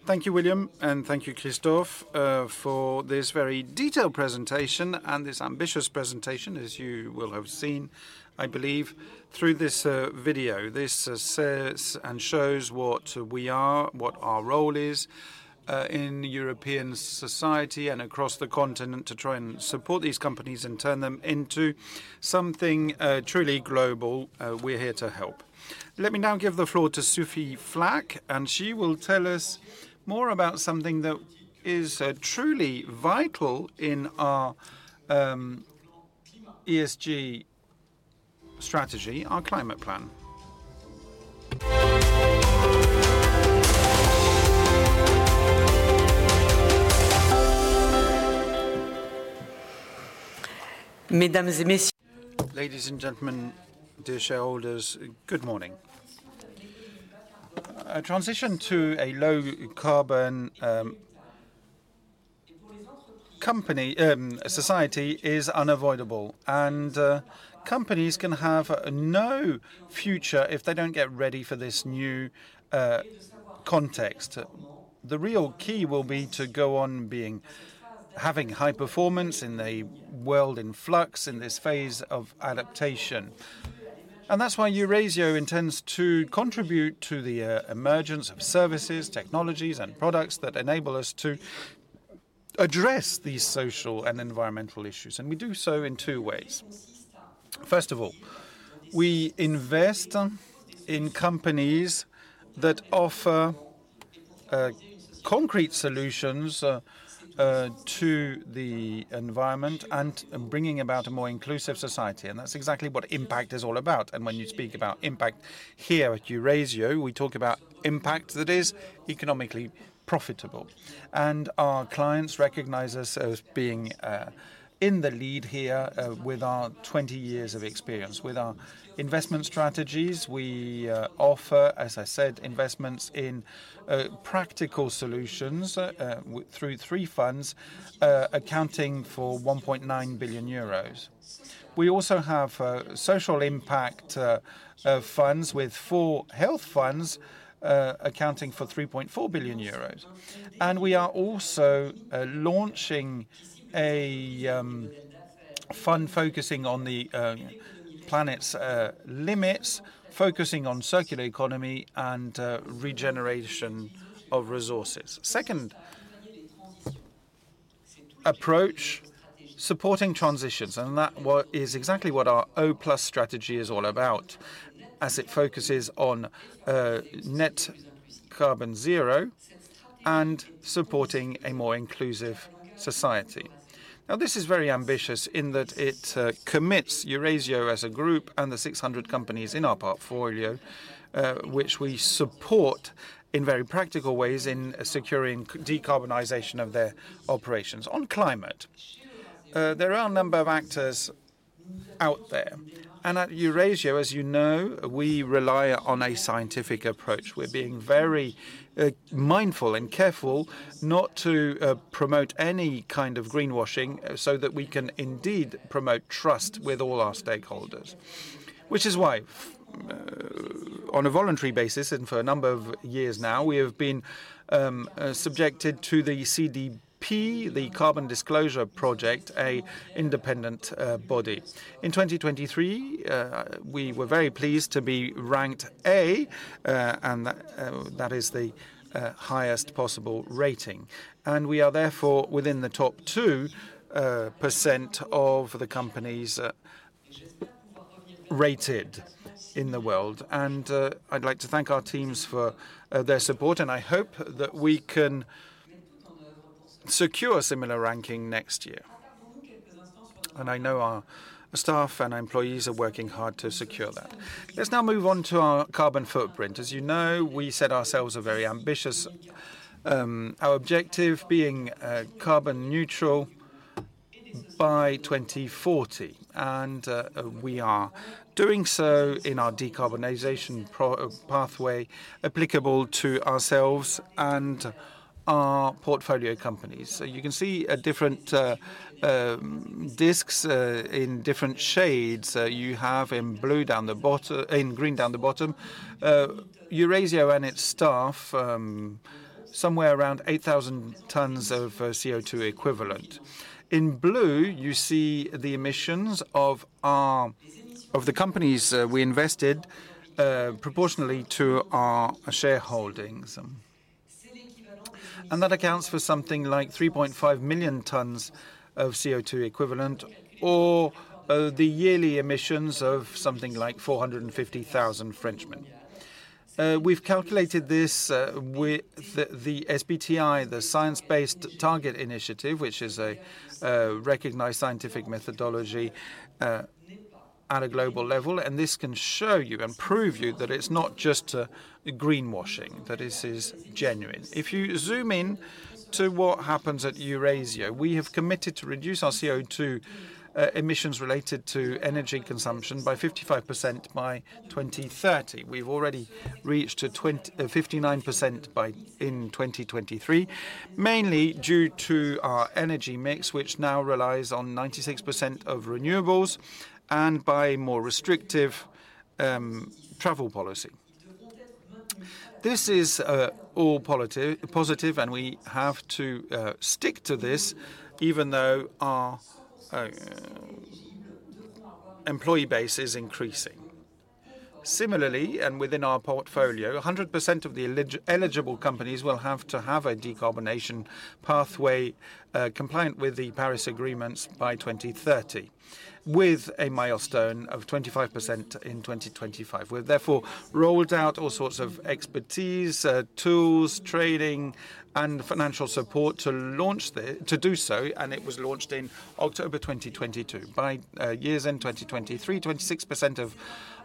Thank you, William, and thank you, Christophe, for this very detailed presentation and this ambitious presentation, as you will have seen, I believe, through this video. This says and shows what we are, what our role is, in European society and across the continent to try and support these companies and turn them into something truly global. We're here to help. Let me now give the floor to Sophie Flak, and she will tell us more about something that is truly vital in our ESG strategy, our climate plan. Ladies and gentlemen, dear shareholders, good morning. A transition to a low-carbon economy society is unavoidable, and companies can have no future if they don't get ready for this new context. The real key will be to go on being having high performance in a world in flux, in this phase of adaptation. That's why Eurazeo intends to contribute to the emergence of services, technologies, and products that enable us to address these social and environmental issues, and we do so in two ways. First of all, we invest in companies that offer concrete solutions to the environment and bringing about a more inclusive society, and that's exactly what impact is all about. When you speak about impact here at Eurazeo, we talk about impact that is economically profitable, and our clients recognize us as being in the lead here with our 20 years of experience. With our investment strategies, we offer, as I said, investments in practical solutions through three funds accounting for 1.9 billion euros. We also have social impact funds with four health funds accounting for 3.4 billion euros. And we are also launching a fund focusing on the planet's limits, focusing on circular economy and regeneration of resources. Second-... approach supporting transitions, and that what is exactly what our O+ strategy is all about, as it focuses on net carbon zero and supporting a more inclusive society. Now, this is very ambitious in that it commits Eurazeo as a group and the 600 companies in our portfolio, which we support in very practical ways in securing decarbonization of their operations. On climate, there are a number of actors out there, and at Eurazeo, as you know, we rely on a scientific approach. We're being very mindful and careful not to promote any kind of greenwashing, so that we can indeed promote trust with all our stakeholders. Which is why, on a voluntary basis, and for a number of years now, we have been subjected to the CDP, the Carbon Disclosure Project, an independent body. In 2023, we were very pleased to be ranked A, and that is the highest possible rating, and we are therefore within the top 2% of the companies rated in the world. I'd like to thank our teams for their support, and I hope that we can secure a similar ranking next year. I know our staff and employees are working hard to secure that. Let's now move on to our carbon footprint. As you know, we set ourselves a very ambitious... Our objective being carbon neutral by 2040, and we are doing so in our decarbonization pathway, applicable to ourselves and our portfolio companies. So you can see different discs in different shades. You have in blue down the bottom—in green, down the bottom, Eurazeo and its staff, somewhere around 8,000 tonnes of CO2 equivalent. In blue, you see the emissions of our, of the companies, we invested, proportionally to our shareholdings, and that accounts for something like 3.5 million tonnes of CO2 equivalent, or, the yearly emissions of something like 450,000 Frenchmen. We've calculated this, with the, the SBTi, the Science Based Targets initiative, which is a, recognized scientific methodology, at a global level, and this can show you and prove you that it's not just, greenwashing, that this is genuine. If you zoom in to what happens at Eurazeo, we have committed to reduce our CO2 emissions related to energy consumption by 55% by 2030. We've already reached to 59% by in 2023, mainly due to our energy mix, which now relies on 96% renewables and by more restrictive travel policy. This is all positive, and we have to stick to this, even though our employee base is increasing. Similarly within our portfolio, 100% of the eligible companies will have to have a decarbonization pathway compliant with the Paris Agreements by 2030, with a milestone of 25% in 2025. We've therefore rolled out all sorts of expertise, tools, training, and financial support to do so, and it was launched in October 2022. By year's end, 2023, 26% of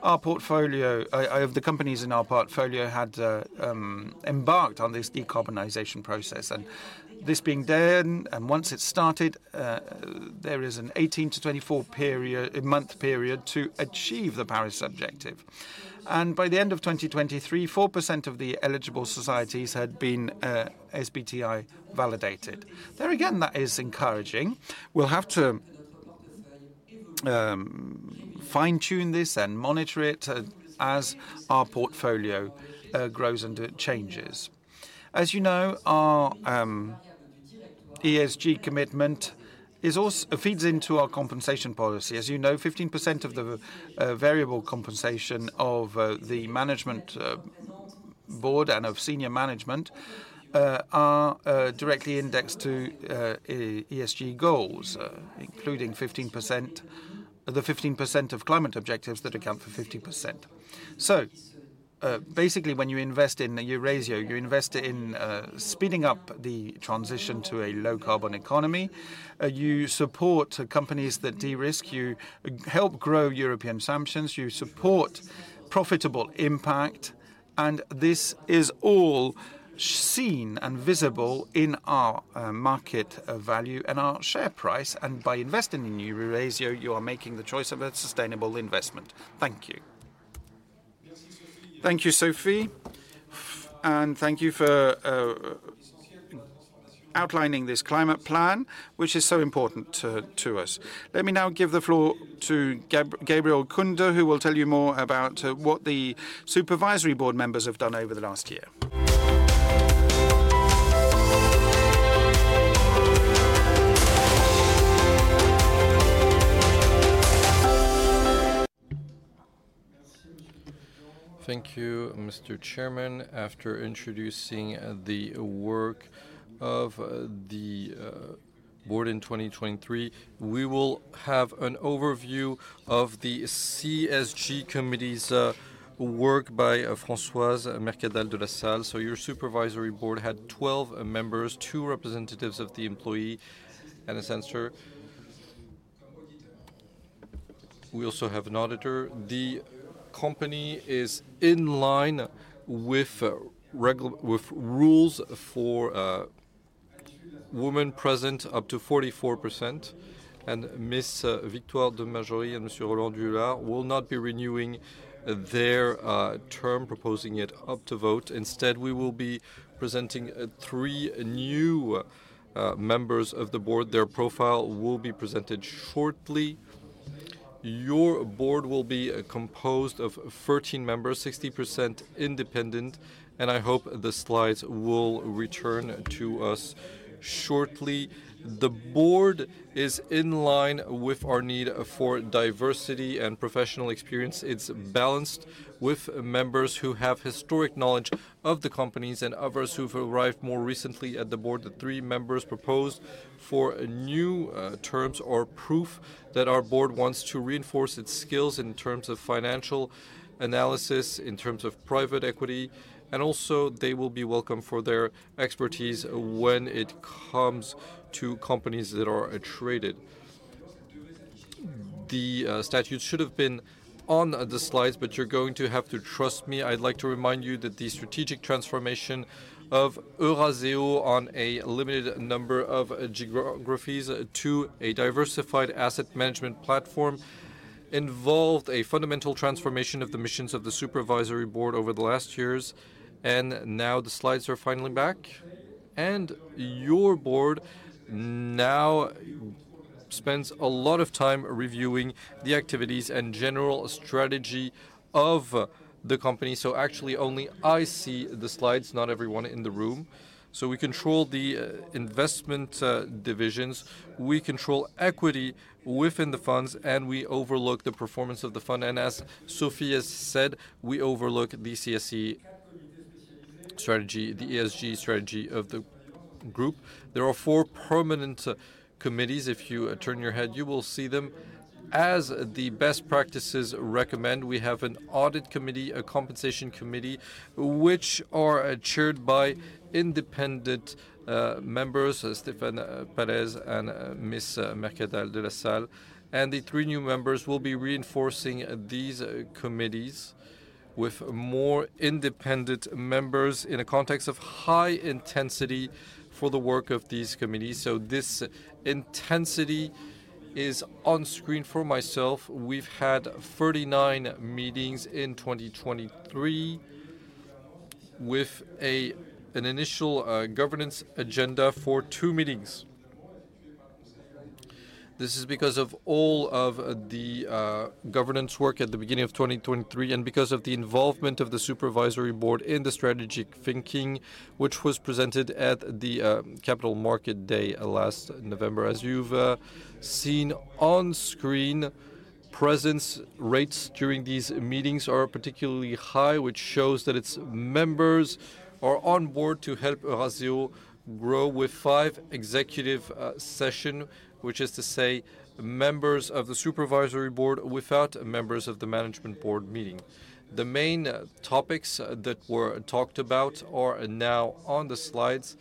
our portfolio, of the companies in our portfolio had embarked on this decarbonization process. This being done, and once it's started, there is an 18-24 month period to achieve the Paris objective. By the end of 2023, 4% of the eligible societies had been SBTi validated. There again, that is encouraging. We'll have to fine-tune this and monitor it as our portfolio grows and it changes. As you know, our ESG commitment is also... feeds into our compensation policy. As you know, 15% of the variable compensation of the management board and of senior management are directly indexed to ESG goals, including 15%, the 15% of climate objectives that account for 50%. So, basically, when you invest in Eurazeo, you invest in speeding up the transition to a low-carbon economy. You support companies that de-risk, you help grow European champions, you support profitable impact, and this is all seen and visible in our market value and our share price, and by investing in Eurazeo, you are making the choice of a sustainable investment. Thank you. Thank you, Sophie, and thank you for outlining this climate plan, which is so important to, to us. Let me now give the floor to Gabriel Kunde, who will tell you more about what the supervisory board members have done over the last year. Mr. Chairman, after introducing the work of the board in 2023, we will have an overview of the CSG committee's work by Françoise Mercadal-Delasalles. Your supervisory board had 12 members, two representatives of the employees, and a censor. We also have an auditor. The company is in line with regulatory rules for women's presence up to 44%, and Ms. Victoire de Margerie and Monsieur Roland du Luart will not be renewing their term, proposing it up to vote. Instead, we will be presenting three new members of the board. Their profile will be presented shortly. Your board will be composed of 13 members, 60% independent, and I hope the slides will return to us shortly. The board is in line with our need for diversity and professional experience. It's balanced with members who have historic knowledge of the companies and others who've arrived more recently at the board. The three members proposed for new terms are proof that our board wants to reinforce its skills in terms of financial analysis, in terms of private equity, and also, they will be welcome for their expertise when it comes to companies that are traded. The statutes should have been on the slides, but you're going to have to trust me. I'd like to remind you that the strategic transformation of Eurazeo on a limited number of geographies to a diversified asset management platform involved a fundamental transformation of the missions of the supervisory board over the last years. And now, the slides are finally back, and your board now spends a lot of time reviewing the activities and general strategy of the company. So actually, only I see the slides, not everyone in the room. So we control the investment divisions, we control equity within the funds, and we overlook the performance of the fund. And as Sophia said, we overlook the CSE strategy, the ESG strategy of the group. There are four permanent committees. If you turn your head, you will see them. As the best practices recommend, we have an audit committee, a compensation committee, which are chaired by independent members, Stéphane Pallez and Ms. Mercadal-Delasalles. And the three new members will be reinforcing these committees with more independent members in a context of high intensity for the work of these committees. So this intensity is on screen for myself. We've had 39 meetings in 2023, with an initial governance agenda for 2 meetings. This is because of all of the governance work at the beginning of 2023, and because of the involvement of the supervisory board in the strategic thinking, which was presented at the Capital Market Day last November. As you've seen on screen, presence rates during these meetings are particularly high, which shows that its members are on board to help Eurazeo grow with five executive session, which is to say, members of the supervisory board, without members of the management board meeting. The main topics that were talked about are now on the slides.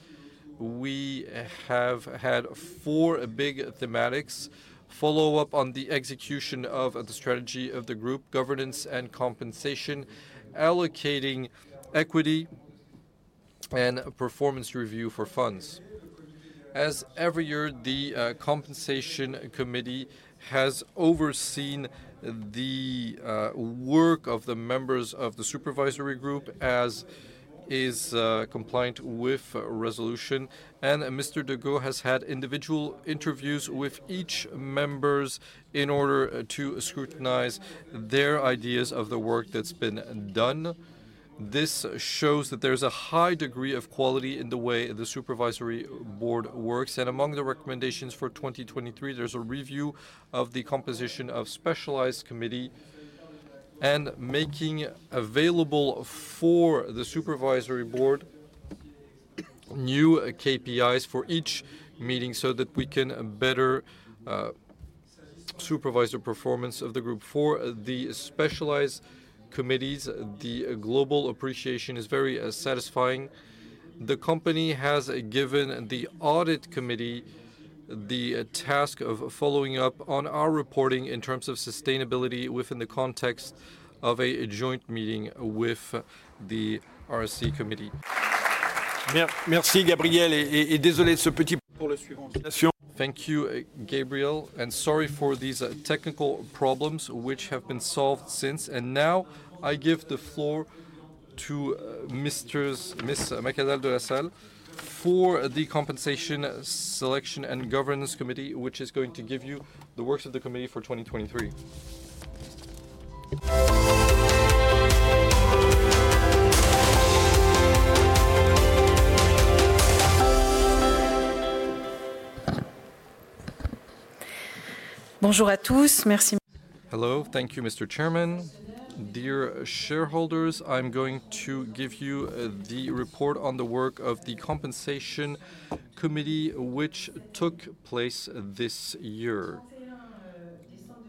We have had four big thematics: follow up on the execution of the strategy of the group, governance and compensation, allocating equity, and performance review for funds. As every year, the compensation committee has overseen the work of the members of the supervisory group, as is compliant with resolution. Mr. Decaux has had individual interviews with each members, in order to scrutinize their ideas of the work that's been done. This shows that there's a high degree of quality in the way the supervisory board works. Among the recommendations for 2023, there's a review of the composition of specialized committee, and making available for the supervisory board new KPIs for each meeting, so that we can better supervise the performance of the group. For the specialized committees, the global appreciation is very satisfying. The company has given the audit committee the task of following up on our reporting in terms of sustainability within the context of a joint meeting with the RSE committee. Thank you, Gabriel, and sorry for these technical problems, which have been solved since. Now, I give the floor to Ms. Mercadal-Delasalles for the Compensation, Selection, and Governance Committee, which is going to give you the work of the committee for 2023. Hello. Thank you, Mr. Chairman. Dear shareholders, I'm going to give you the report on the work of the Compensation Committee, which took place this year.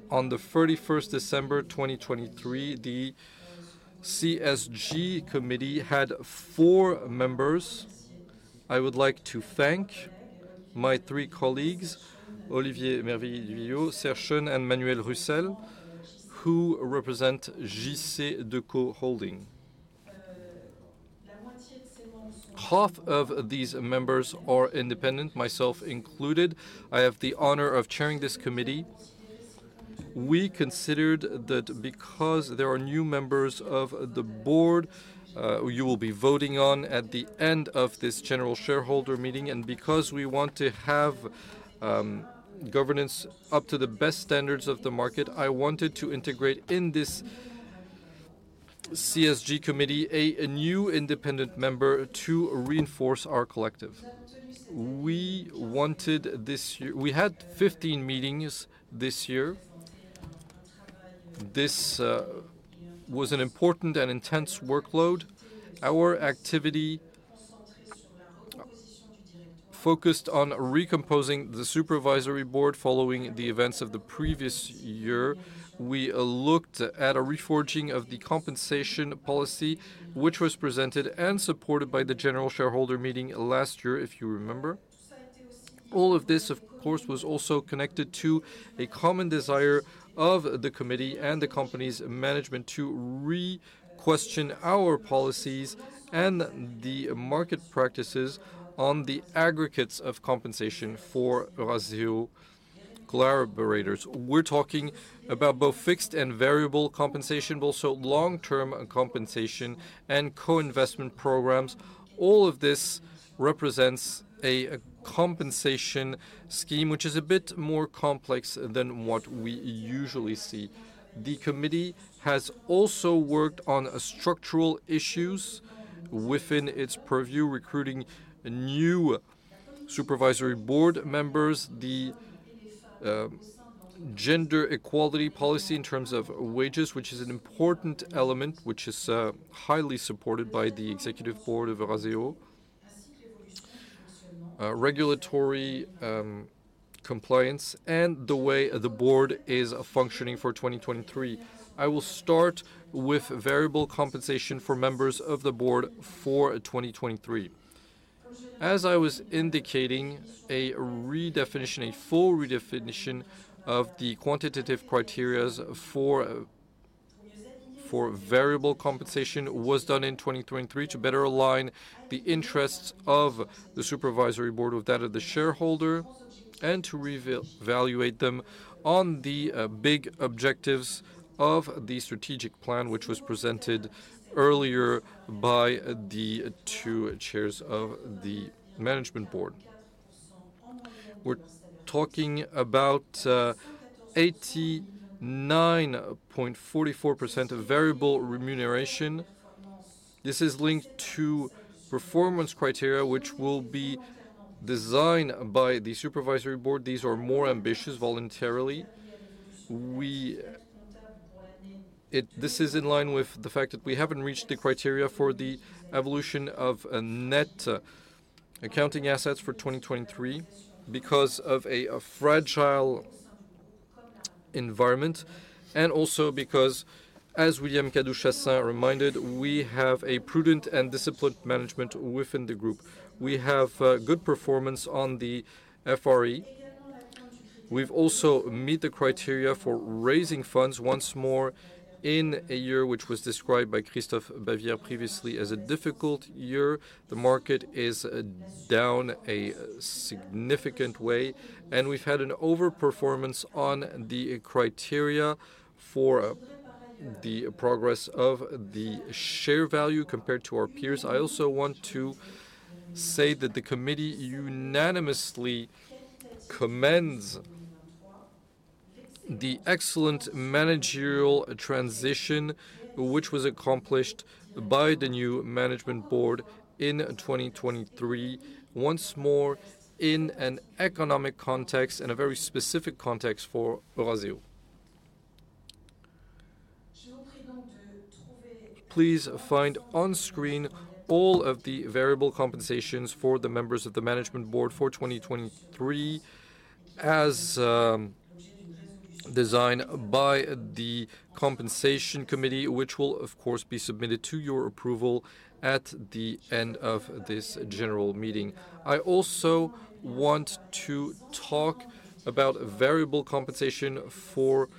On December 31, 2023, the CSG committee had four members. I would like to thank my three colleagues, Olivier Merveilleux du Vignaux, Serge Schoen, and Emmanuel Russell, who represent JCDecaux Holding. Half of these members are independent, myself included. I have the honor of chairing this committee. We considered that because there are new members of the board, who you will be voting on at the end of this general shareholder meeting, and because we want to have governance up to the best standards of the market, I wanted to integrate in this CSG committee a new independent member to reinforce our collective. We wanted this year. We had 15 meetings this year. This was an important and intense workload. Our activity focused on recomposing the supervisory board following the events of the previous year. We looked at a reforging of the compensation policy, which was presented and supported by the general shareholder meeting last year, if you remember. All of this, of course, was also connected to a common desire of the committee and the company's management to re-question our policies and the market practices on the aggregates of compensation for Eurazeo collaborators. We're talking about both fixed and variable compensation, but also long-term compensation and co-investment programs. All of this represents a compensation scheme which is a bit more complex than what we usually see. The committee has also worked on structural issues within its purview, recruiting new Supervisory Board members, the gender equality policy in terms of wages, which is an important element, which is highly supported by the Executive Board of Eurazeo. Regulatory compliance and the way the Board is functioning for 2023. I will start with variable compensation for members of the Board for 2023. As I was indicating, a redefinition, a full redefinition of the quantitative criteria for variable compensation was done in 2023 to better align the interests of the supervisory board with that of the shareholder, and to reevaluate them on the big objectives of the strategic plan, which was presented earlier by the two chairs of the management board. We're talking about 89.44% of variable remuneration. This is linked to performance criteria, which will be designed by the supervisory board. These are more ambitious, voluntarily. This is in line with the fact that we haven't reached the criteria for the evolution of a net accounting assets for 2023 because of a fragile environment, and also because, as William Kadouch-Chassaing reminded, we have a prudent and disciplined management within the group. We have good performance on the FRE. We've also met the criteria for raising funds once more in a year, which was described by Christophe Bavière previously as a difficult year. The market is down a significant way, and we've had an overperformance on the criteria for the progress of the share value compared to our peers. I also want to say that the committee unanimously commends the excellent managerial transition, which was accomplished by the new management board in 2023. Once more, in an economic context and a very specific context for Eurazeo. Please find on screen all of the variable compensations for the members of the management board for 2023, as designed by the compensation committee, which will, of course, be submitted to your approval at the end of this general meeting. I also want to talk about variable compensation for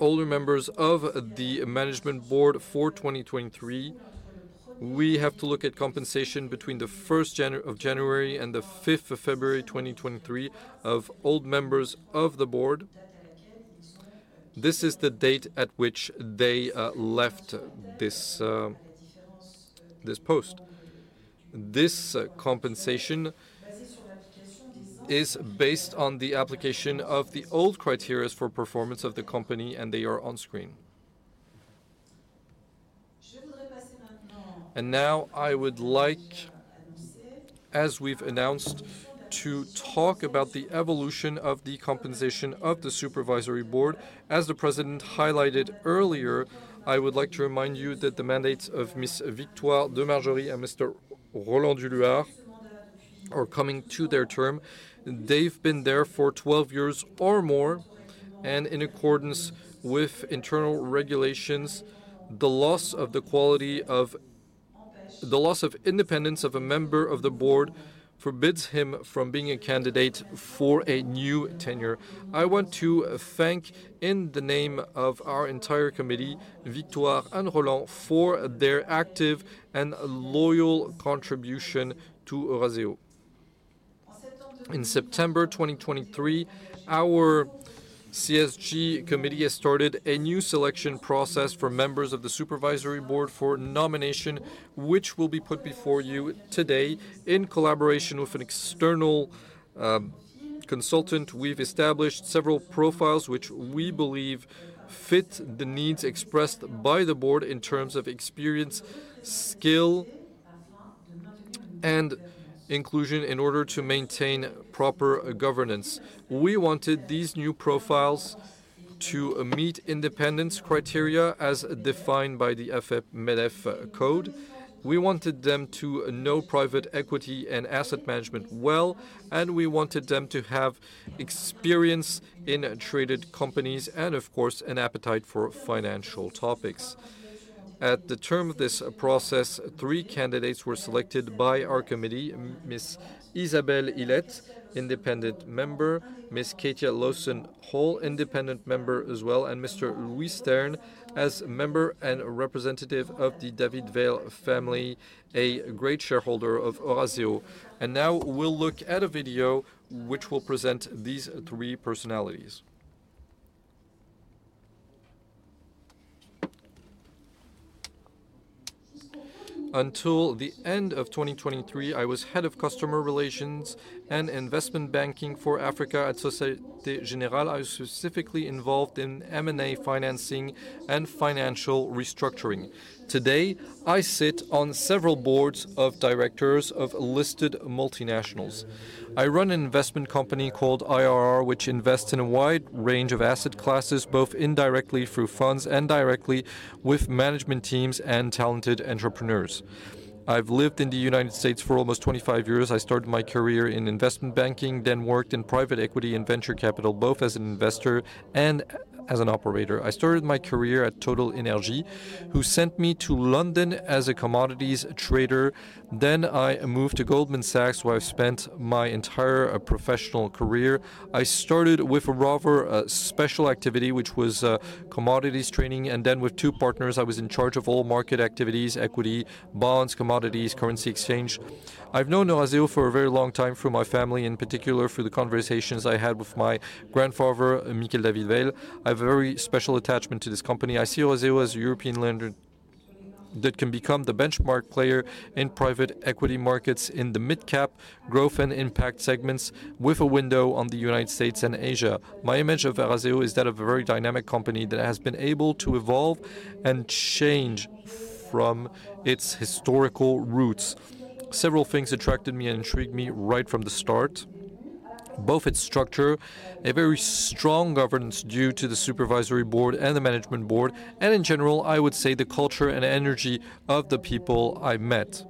older members of the management board for 2023. We have to look at compensation between the first of January and the fifth of February, 2023 of old members of the board. This is the date at which they left this post. This compensation is based on the application of the old criteria for performance of the company, and they are on screen. Now I would like, as we've announced, to talk about the evolution of the composition of the supervisory board. As the president highlighted earlier, I would like to remind you that the mandates of Ms. Victoire de Margerie and Mr. Roland du Luart are coming to their term. They've been there for 12 years or more, and in accordance with internal regulations, the loss of independence of a member of the board forbids him from being a candidate for a new tenure. I want to thank, in the name of our entire committee, Victoire and Roland, for their active and loyal contribution to Eurazeo. In September 2023, our CSG committee has started a new selection process for members of the supervisory board for nomination, which will be put before you today. In collaboration with an external consultant, we've established several profiles which we believe fit the needs expressed by the board in terms of experience, skill, and inclusion in order to maintain proper governance. We wanted these new profiles to meet independence criteria as defined by the AFEP-MEDEF code. We wanted them to know private equity and asset management well, and we wanted them to have experience in traded companies and, of course, an appetite for financial topics. At the end of this process, three candidates were selected by our committee: Ms. Isabelle Ealet, independent member; Ms. Katja Lawson-Hall, independent member as well; and Mr. Louis Stern, as member and representative of the David-Weill family, a great shareholder of Eurazeo. Now we'll look at a video which will present these three personalities. Until the end of 2023, I was head of customer relations and investment banking for Africa at Société Générale. I was specifically involved in M&A financing and financial restructuring. Today, I sit on several boards of directors of listed multinationals. I run an investment company called IRR, which invests in a wide range of asset classes, both indirectly through funds and directly with management teams and talented entrepreneurs. I've lived in the United States for almost 25 years. I started my career in investment banking, then worked in private equity and venture capital, both as an investor and as an operator. I started my career at TotalEnergies, who sent me to London as a commodities trader. Then I moved to Goldman Sachs, where I've spent my entire professional career. I started with a rather, special activity, which was, commodities trading, and then with two partners, I was in charge of all market activities, equity, bonds, commodities, currency exchange. I've known Eurazeo for a very long time, through my family, in particular, through the conversations I had with my grandfather, Michel David-Weill. I have a very special attachment to this company. I see Eurazeo as a European lender that can become the benchmark player in private equity markets in the mid-cap growth and impact segments, with a window on the United States and Asia. My image of Eurazeo is that of a very dynamic company that has been able to evolve and change from its historical roots. Several things attracted me and intrigued me right from the start. Both its structure, a very strong governance due to the supervisory board and the management board, and in general, I would say the culture and energy of the people I met.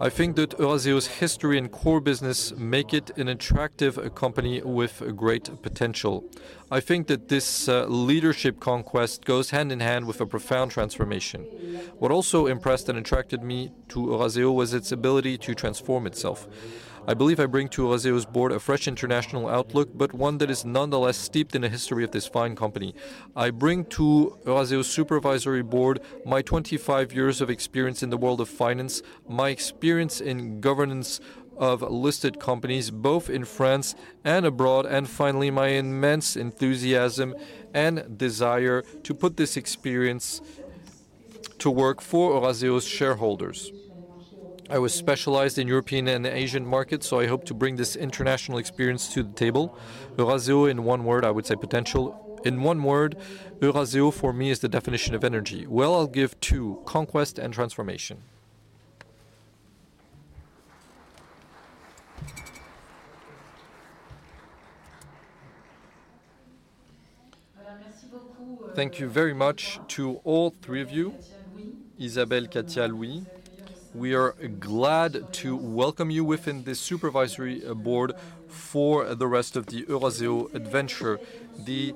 I think that Eurazeo's history and core business make it an attractive company with great potential. I think that this leadership conquest goes hand in hand with a profound transformation. What also impressed and attracted me to Eurazeo was its ability to transform itself. I believe I bring to Eurazeo's board a fresh international outlook, but one that is nonetheless steeped in the history of this fine company. I bring to Eurazeo's supervisory board my 25 years of experience in the world of finance, my experience in governance of listed companies, both in France and abroad, and finally, my immense enthusiasm and desire to put this experience to work for Eurazeo's shareholders. I was specialized in European and Asian markets, so I hope to bring this international experience to the table. Eurazeo, in one word, I would say potential. In one word, Eurazeo, for me, is the definition of energy. Well, I'll give two: conquest and transformation. Thank you very much to all three of you, Isabelle, Katja, Louis. We are glad to welcome you within the supervisory board for the rest of the Eurazeo adventure. The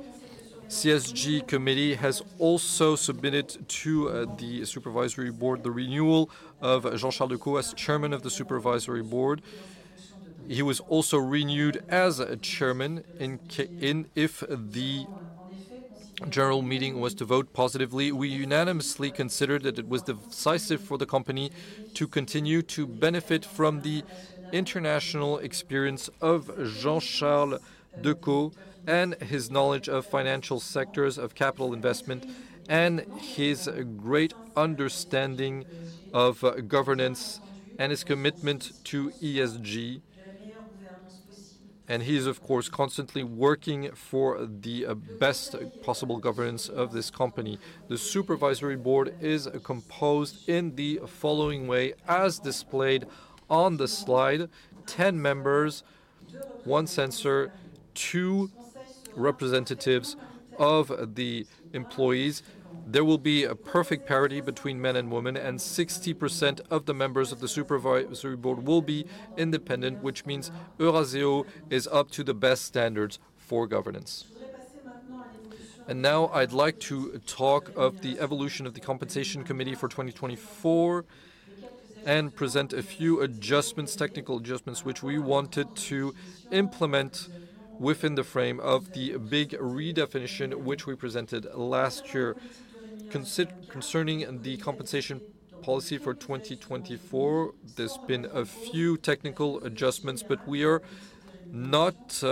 CSG committee has also submitted to the supervisory board the renewal of Jean-Charles Decaux as Chairman of the supervisory board. He was also renewed as a Chairman. If the general meeting was to vote positively, we unanimously considered that it was decisive for the company to continue to benefit from the international experience of Jean-Charles Decaux and his knowledge of financial sectors, of capital investment, and his great understanding of governance and his commitment to ESG, and he is, of course, constantly working for the best possible governance of this company. The supervisory board is composed in the following way, as displayed on the slide: 10 members, one censor, two representatives of the employees. There will be a perfect parity between men and women, and 60% of the members of the Supervisory Board will be independent, which means Eurazeo is up to the best standards for governance. Now I'd like to talk of the evolution of the compensation committee for 2024, and present a few adjustments, technical adjustments, which we wanted to implement within the frame of the big redefinition, which we presented last year. Concerning the compensation policy for 2024, there's been a few technical adjustments, but we are not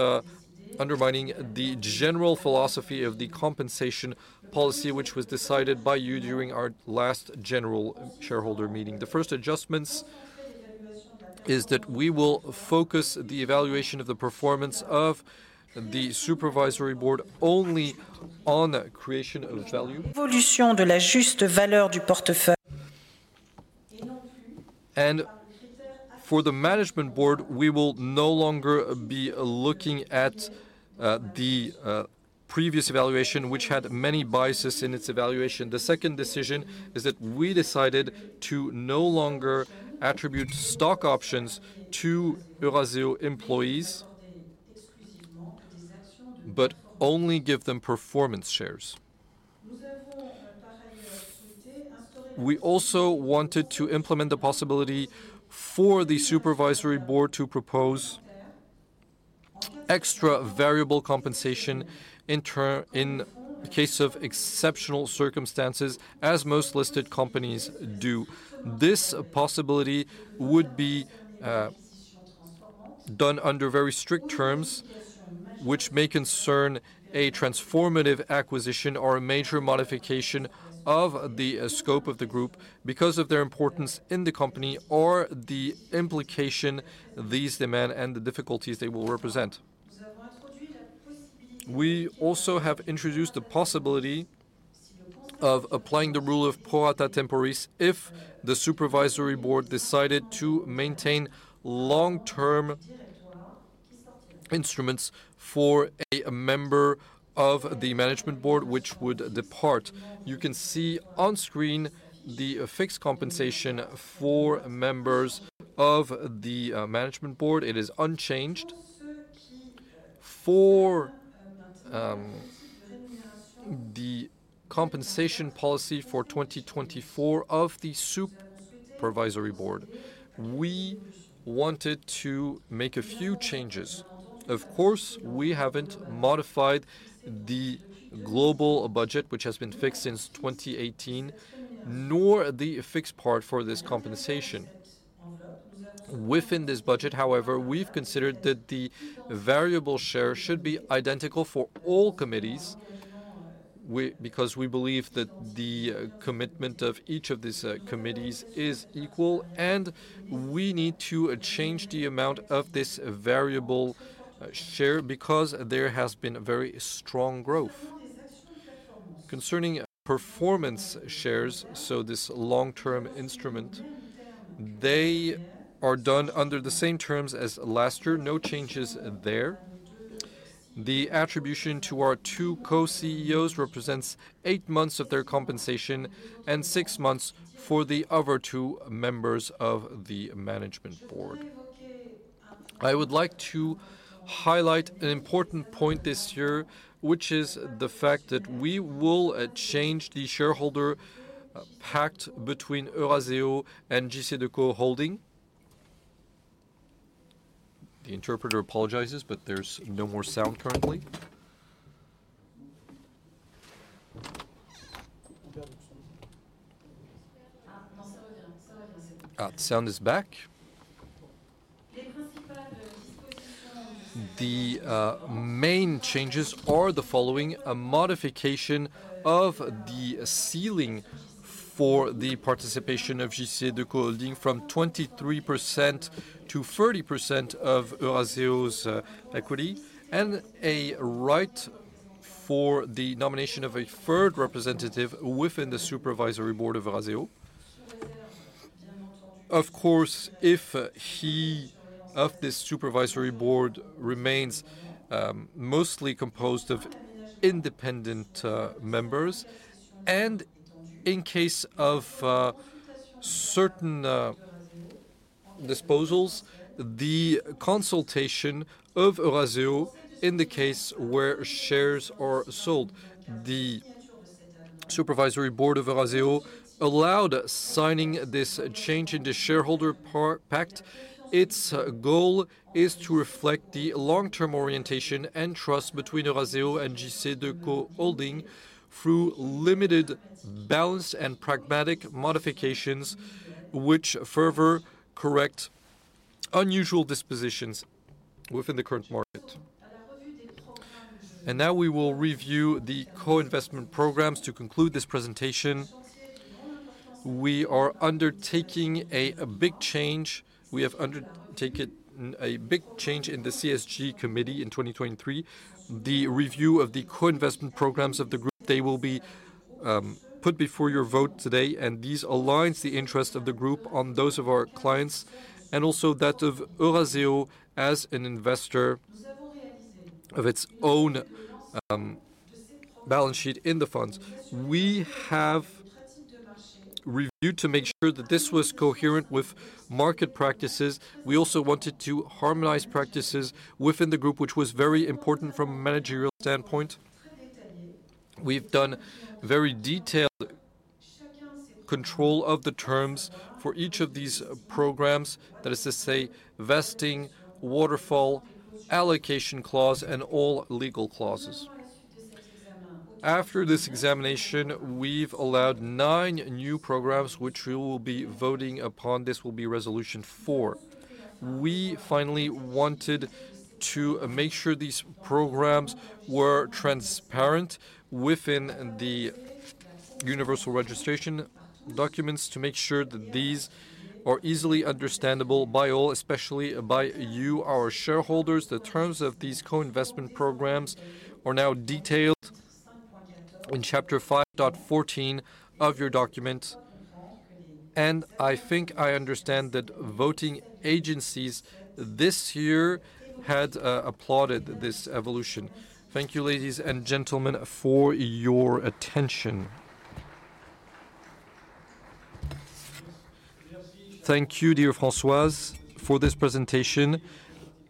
undermining the general philosophy of the compensation policy, which was decided by you during our last general shareholder meeting. The first adjustments is that we will focus the evaluation of the performance of the Supervisory Board only on creation of value. For the management board, we will no longer be looking at the previous evaluation, which had many biases in its evaluation. The second decision is that we decided to no longer attribute stock options to Eurazeo employees but only give them performance shares. We also wanted to implement the possibility for the supervisory board to propose extra variable compensation in case of exceptional circumstances, as most listed companies do. This possibility would be done under very strict terms, which may concern a transformative acquisition or a major modification of the scope of the group because of their importance in the company or the implication these demand and the difficulties they will represent. We also have introduced the possibility of applying the rule of pro rata temporis if the supervisory board decided to maintain long-term instruments for a member of the management board which would depart. You can see on screen the fixed compensation for members of the management board. It is unchanged. For the compensation policy for 2024 of the supervisory board, we wanted to make a few changes. Of course, we haven't modified the global budget, which has been fixed since 2018, nor the fixed part for this compensation. Within this budget, however, we've considered that the variable share should be identical for all committees, because we believe that the commitment of each of these committees is equal, and we need to change the amount of this variable share because there has been a very strong growth. Concerning performance shares, so this long-term instrument, they are done under the same terms as last year. No changes there. The attribution to our two Co-CEOs represents eight months of their compensation and six months for the other two members of the management board. I would like to highlight an important point this year, which is the fact that we will change the shareholder pact between Eurazeo and JCDecaux Holding. The interpreter apologizes, but there's no more sound currently. Sound is back. The main changes are the following: a modification of the ceiling for the participation of JCDecaux Holding from 23% to 30% of Eurazeo's equity, and a right for the nomination of a third representative within the Supervisory Board of Eurazeo. Of course, if he, of this supervisory board, remains, mostly composed of independent, members, and in case of, certain, disposals, the consultation of Eurazeo in the case where shares are sold. The supervisory board of Eurazeo allowed signing this change in the shareholder pact. Its goal is to reflect the long-term orientation and trust between Eurazeo and JCDecaux Holding through limited, balanced, and pragmatic modifications, which further correct unusual dispositions within the current market. Now we will review the co-investment programs to conclude this presentation. We are undertaking a big change. We have undertaken a big change in the CSG committee in 2023. The review of the co-investment programs of the group, they will be put before your vote today, and these aligns the interest of the group on those of our clients, and also that of Eurazeo as an investor of its own balance sheet in the funds. We have reviewed to make sure that this was coherent with market practices. We also wanted to harmonize practices within the group, which was very important from a managerial standpoint. We've done very detailed control of the terms for each of these programs, that is to say, vesting, waterfall, allocation clause, and all legal clauses. After this examination, we've allowed 9 new programs which we will be voting upon. This will be resolution 4. We finally wanted to make sure these programs were transparent within the universal registration documents to make sure that these are easily understandable by all, especially by you, our shareholders. The terms of these co-investment programs are now detailed in chapter 5.14 of your document, and I think I understand that voting agencies this year had applauded this evolution. Thank you, ladies and gentlemen, for your attention. Thank you, dear Françoise, for this presentation.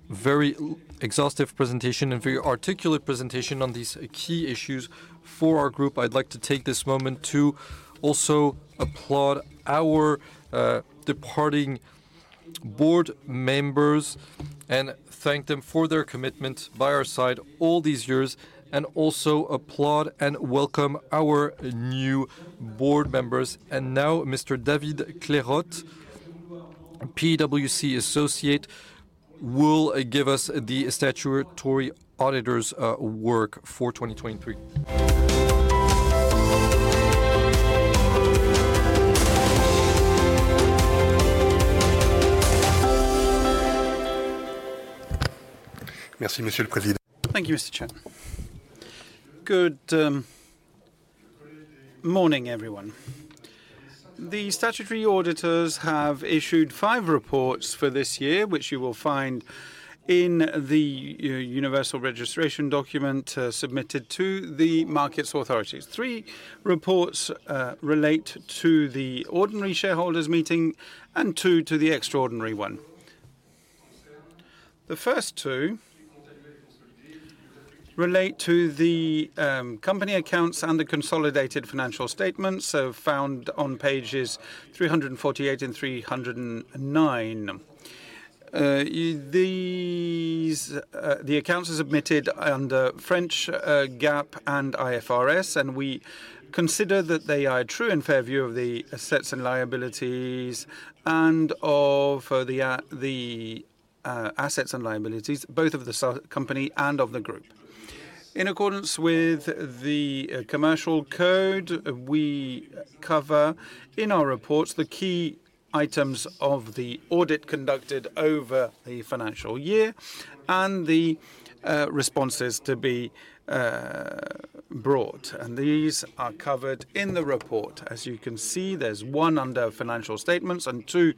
Very exhaustive presentation and very articulate presentation on these key issues for our group. I'd like to take this moment to also applaud our departing board members and thank them for their commitment by our side all these years, and also applaud and welcome our new board members. And now, Mr. David Clairotte, PwC associate, will give us the statutory auditor's work for 2023. Thank you, Mr. Chair. Good morning, everyone. The Statutory Auditors have issued five reports for this year, which you will find in the universal registration document, submitted to the markets authorities. Three reports relate to the ordinary shareholders meeting and two to the extraordinary one. The first two relate to the company accounts and the consolidated financial statements, so found on pages 348 and 309. These, the accounts are submitted under French GAAP and IFRS, and we consider that they are a true and fair view of the assets and liabilities, and of, the the, assets and liabilities, both of the company and of the group. In accordance with the commercial code, we cover in our reports the key items of the audit conducted over the financial year and the responses to be brought, and these are covered in the report. As you can see, there's one under financial statements and two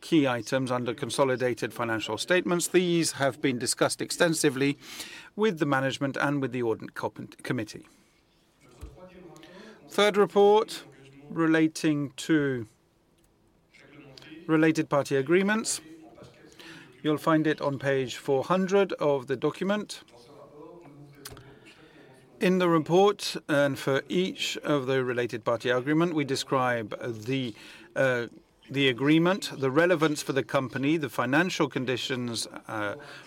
key items under consolidated financial statements. These have been discussed extensively with the management and with the audit committee. Third report relating to related party agreements, you'll find it on page 400 of the document. In the report, and for each of the related party agreement, we describe the agreement, the relevance for the company, the financial conditions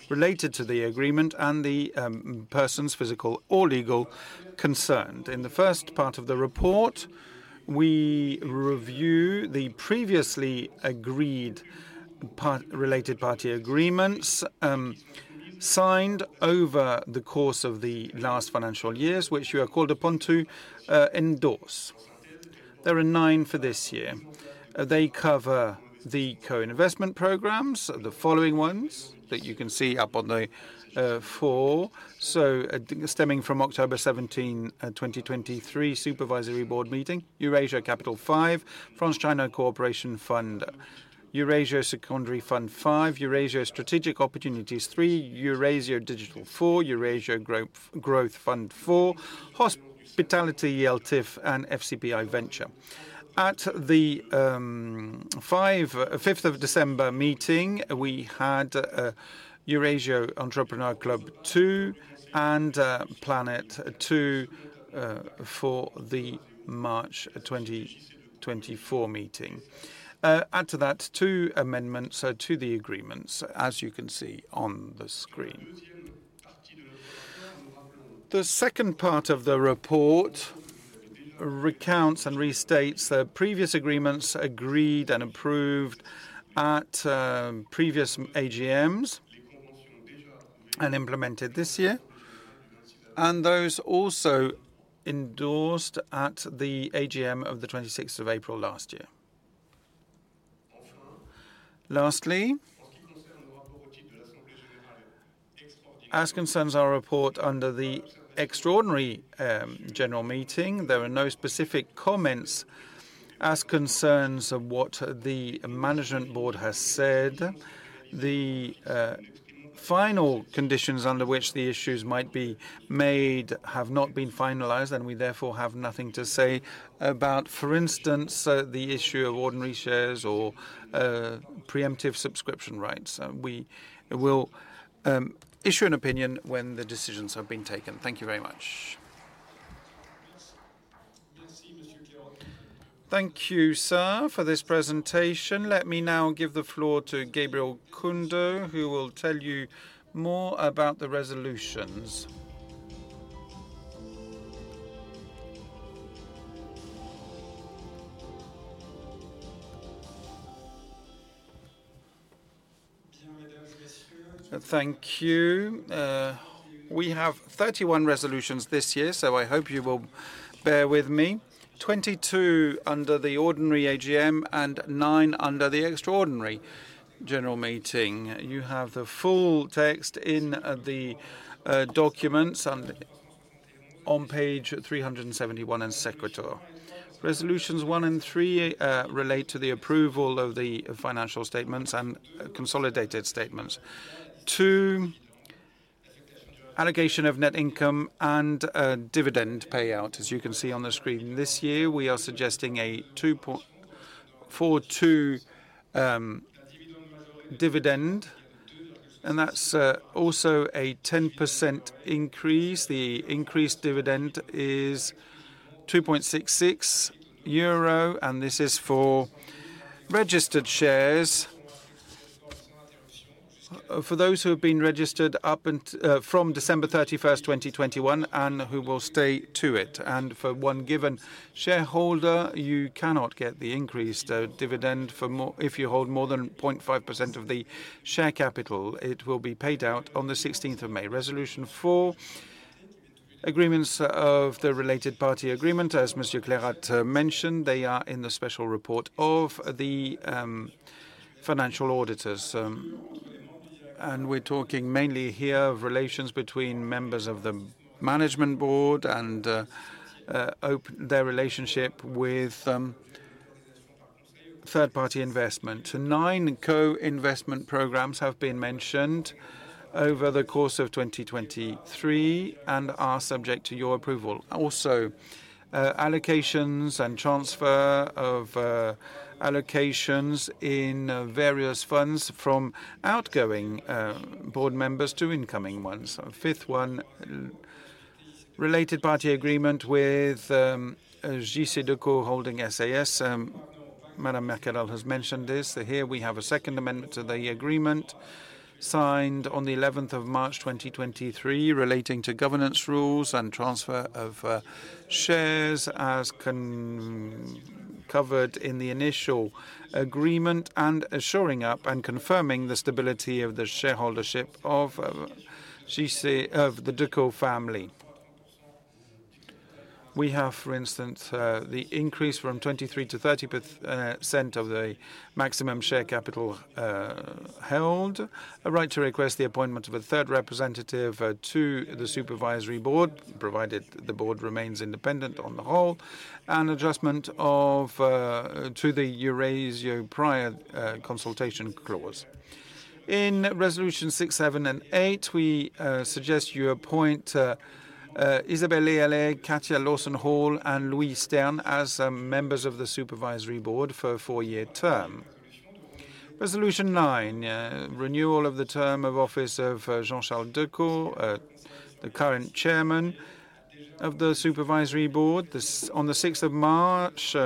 related to the agreement, and the persons, physical or legal, concerned. In the first part of the report, we review the previously agreed part, related party agreements, signed over the course of the last financial years, which we are called upon to endorse. There are nine for this year. They cover the co-investment programs, the following ones that you can see up on the four. So, stemming from October 17, 2023, Supervisory Board Meeting, Eurazeo Capital V, France-China Cooperation Fund, Eurazeo Secondary Fund V, Eurazeo Strategic Opportunities III, Eurazeo Digital IV, Eurazeo Growth Fund IV, Eurazeo Hospitality ELTIF, and FCPI Venture. At the fifth of December meeting, we had Eurazeo Entrepreneur Club II, and Planet II, for the March 2024 meeting. Add to that two amendments, so two to the agreements, as you can see on the screen. The second part of the report recounts and restates the previous agreements agreed and approved at previous AGMs and implemented this year, and those also endorsed at the AGM of the twenty-sixth of April last year. Lastly, as concerns our report under the extraordinary general meeting, there are no specific comments as concerns of what the management board has said. The final conditions under which the issues might be made have not been finalized, and we therefore have nothing to say about, for instance, the issue of ordinary shares or preemptive subscription rights. We will issue an opinion when the decisions have been taken. Thank you very much. Thank you, sir, for this presentation. Let me now give the floor to Gabriel Kunde, who will tell you more about the resolutions. Thank you. We have 31 resolutions this year, so I hope you will bear with me. 22 under the ordinary AGM and 9 under the extraordinary general meeting. You have the full text in the documents and on page 371 in the notice. Resolutions 1 and 3 relate to the approval of the financial statements and consolidated statements. 2, allocation of net income and dividend payout. As you can see on the screen, this year, we are suggesting a 2.42 dividend, and that's also a 10% increase. The increased dividend is 2.66 euro, and this is for registered shares. For those who have been registered up until from December 31, 2021, and who will stay to it. For one given shareholder, you cannot get the increased dividend for more if you hold more than 0.5% of the share capital. It will be paid out on the 16th of May. Resolution 4, agreements of the related party agreement. As Monsieur Clairotte mentioned, they are in the special report of the financial auditors. And we're talking mainly here of relations between members of the management board and their relationship with third-party investment. 9 co-investment programs have been mentioned over the course of 2023 and are subject to your approval. Also, allocations and transfer of allocations in various funds from outgoing board members to incoming ones. Fifth one, related party agreement with JCDecaux Holding SAS, Madame Mercadal has mentioned this. Here we have a second amendment to the agreement, signed on the 11th of March, 2023, relating to governance rules and transfer of shares, as covered in the initial agreement, and shoring up and confirming the stability of the shareholdership of JCDecaux of the Decaux family. We have, for instance, the increase from 23 to 30% of the maximum share capital held, a right to request the appointment of a third representative to the supervisory board, provided the board remains independent on the whole, and adjustment to the Eurazeo prior consultation clause. In Resolution 6, 7, and 8, we suggest you appoint Isabelle Ealet, Katja Hall, and Louis Stern as members of the supervisory board for a four-year term. Resolution 9, renewal of the term of office of Jean-Charles Decaux, the current Chairman of the Supervisory Board. This, on the sixth of March,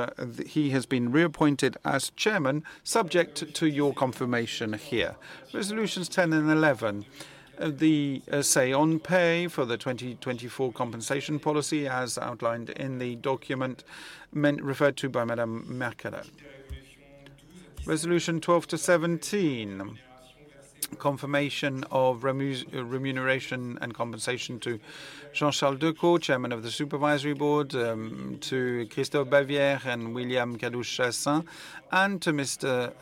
he has been reappointed as Chairman, subject to your confirmation here. Resolutions 10 and 11, the say-on-pay for the 2024 compensation policy, as outlined in the document referred to by Madame Mercadal. Resolution 12 to 17, confirmation of remuneration and compensation to Jean-Charles Decaux, Chairman of the Supervisory Board, to Christophe Bavière and William Kadouch-Chassaing, and to Mr.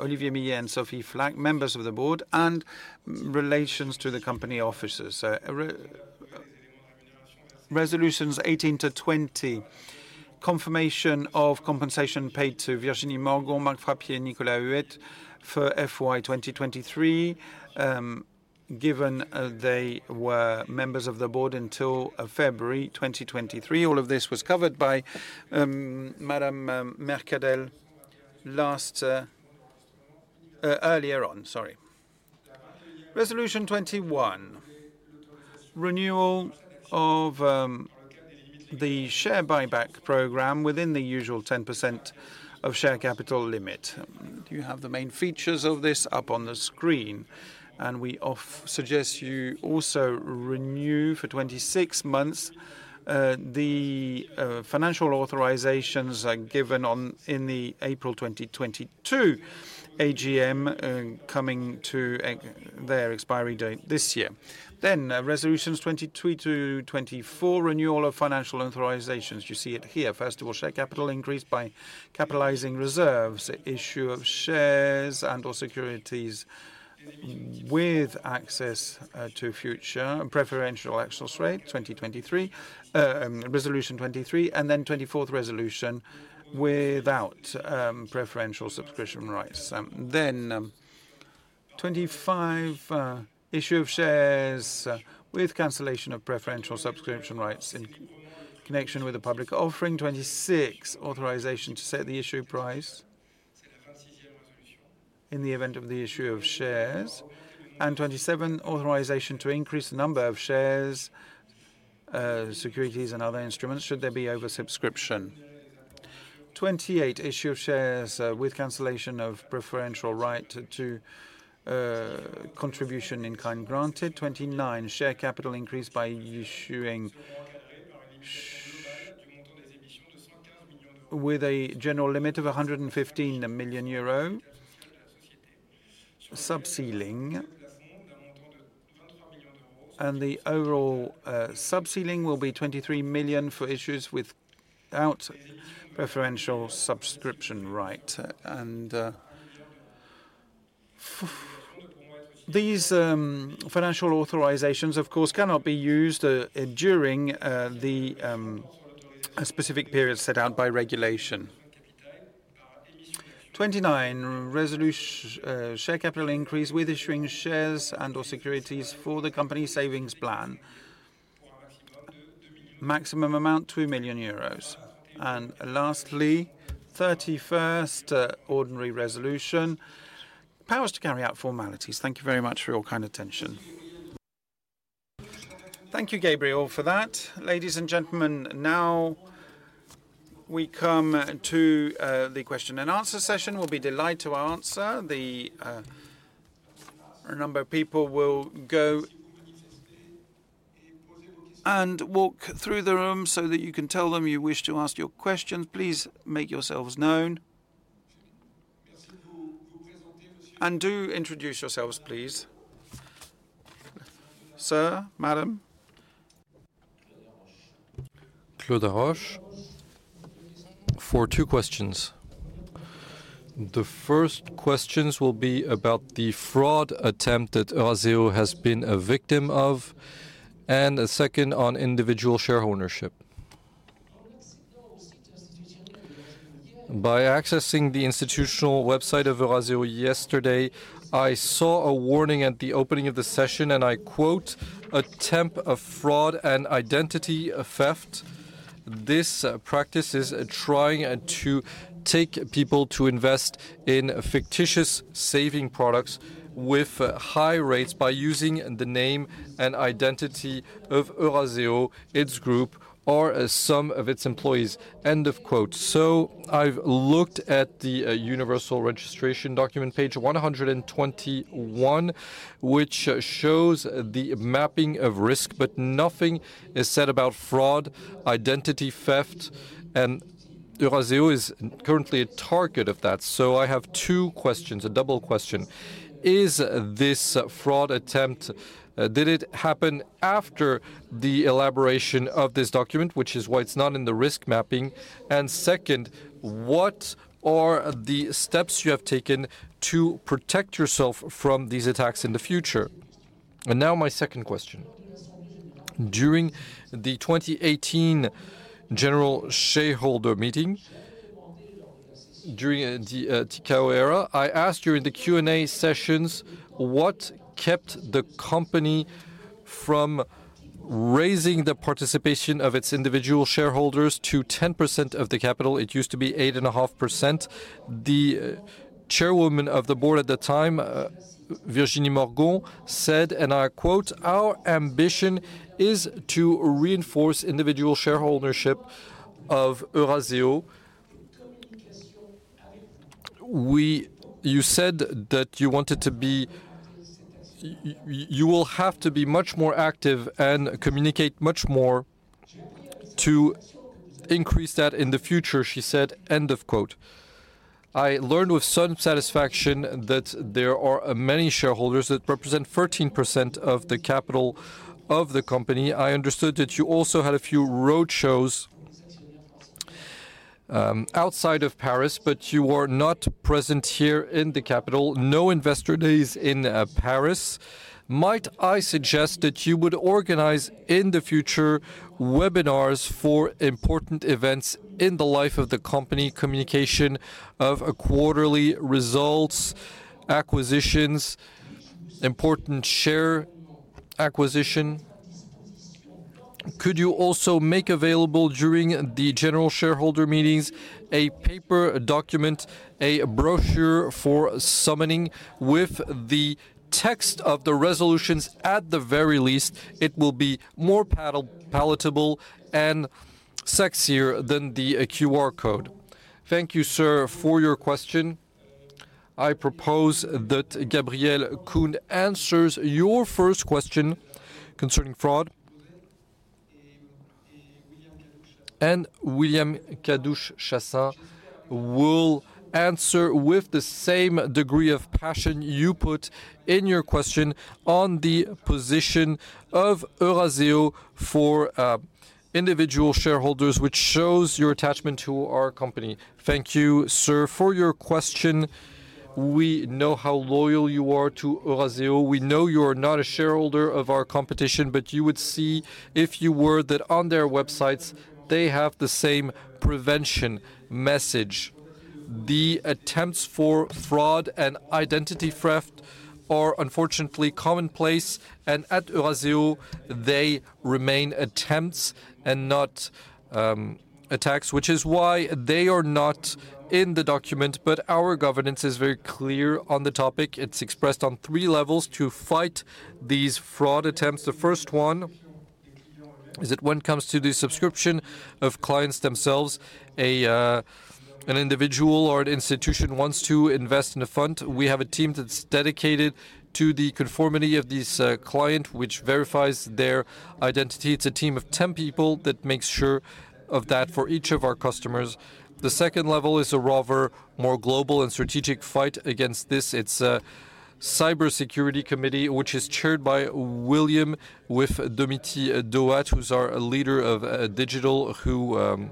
Olivier Millet and Sophie Flak, members of the board, and relations to the company officers. So resolutions 18 to 20, confirmation of compensation paid to Virginie Morgon, Marc Frappier, Nicolas Huet for FY 2023, given they were members of the board until February 2023. All of this was covered by Madame Mercadal-Delasalles earlier on, sorry. Resolution 21, renewal of the share buyback program within the usual 10% of share capital limit. You have the main features of this up on the screen, and we suggest you also renew for 26 months the financial authorizations given in the April 2022 AGM, coming to their expiry date this year. Then, resolutions 23 to 24, renewal of financial authorizations. You see it here. First of all, share capital increase by capitalizing reserves, issue of shares and/or securities with access to future preferential access rate, 2023, resolution 23, and then 24th resolution without preferential subscription rights. Then, 25, issue of shares with cancellation of preferential subscription rights in connection with the public offering. 26, authorization to set the issue price in the event of the issue of shares. And 27, authorization to increase the number of shares, securities, and other instruments, should there be oversubscription. 28, issue of shares with cancellation of preferential right to contribution in kind granted. 29, share capital increase by issuing shares with a general limit of 115 million euro sub-ceiling. And the overall sub-ceiling will be 23 million for issues without preferential subscription right. And these financial authorizations, of course, cannot be used during the specific periods set out by regulation. 29, share capital increase with issuing shares and/or securities for the company savings plan. Maximum amount, 2 million euros. And lastly, thirty-first ordinary resolution, powers to carry out formalities. Thank you very much for your kind attention. Thank you, Gabriel, for that. Ladies and gentlemen, now we come to the question and answer session. We'll be delighted to answer. A number of people will go and walk through the room so that you can tell them you wish to ask your questions. Please make yourselves known. And do introduce yourselves, please. Sir, madam? Claude Roche for two questions. The first questions will be about the fraud attempt that Eurazeo has been a victim of, and a second on individual share ownership. By accessing the institutional website of Eurazeo yesterday, I saw a warning at the opening of the session, and I quote, "Attempt of fraud and identity theft. This practice is trying to take people to invest in fictitious saving products with high rates by using the name and identity of Eurazeo, its group, or some of its employees." End of quote. So I've looked at the universal registration document, page 121, which shows the mapping of risk, but nothing is said about fraud, identity theft, and Eurazeo is currently a target of that. So I have two questions, a double question. Is this fraud attempt... Did it happen after the elaboration of this document, which is why it's not in the risk mapping? And second, what are the steps you have taken to protect yourself from these attacks in the future? And now my second question: During the 2018 general shareholder meeting, during the takeover, I asked you in the Q&A sessions, what kept the company from raising the participation of its individual shareholders to 10% of the capital? It used to be 8.5%. The chairwoman of the board at the time, Virginie Morgon, said, and I quote, "Our ambition is to reinforce individual share ownership of Eurazeo. You said that you wanted to be much more active and communicate much more to increase that in the future," she said, end of quote. I learned with some satisfaction that there are many shareholders that represent 13% of the capital of the company. I understood that you also had a few roadshows outside of Paris, but you were not present here in the capital. No investor days in Paris. Might I suggest that you would organize, in the future, webinars for important events in the life of the company, communication of quarterly results, acquisitions, important share acquisition? Could you also make available, during the general shareholder meetings, a paper, a document, a brochure for summoning with the text of the resolutions at the very least? It will be more palatable and sexier than the QR code. Thank you, sir, for your question. I propose that Gabriel Kunde answers your first question concerning fraud.... and William Kadouch-Chassaing will answer with the same degree of passion you put in your question on the position of Eurazeo for individual shareholders, which shows your attachment to our company. Thank you, sir, for your question. We know how loyal you are to Eurazeo. We know you are not a shareholder of our competition, but you would see if you were, that on their websites, they have the same prevention message. The attempts for fraud and identity theft are unfortunately commonplace, and at Eurazeo, they remain attempts and not attacks, which is why they are not in the document. But our governance is very clear on the topic. It's expressed on three levels to fight these fraud attempts. The first one is that when it comes to the subscription of clients themselves, an individual or an institution wants to invest in a fund, we have a team that's dedicated to the conformity of this client, which verifies their identity. It's a team of 10 people that makes sure of that for each of our customers. The second level is a rather more global and strategic fight against this. It's a cybersecurity committee, which is chaired by William, with Dimitri Daud, who's our leader of digital, who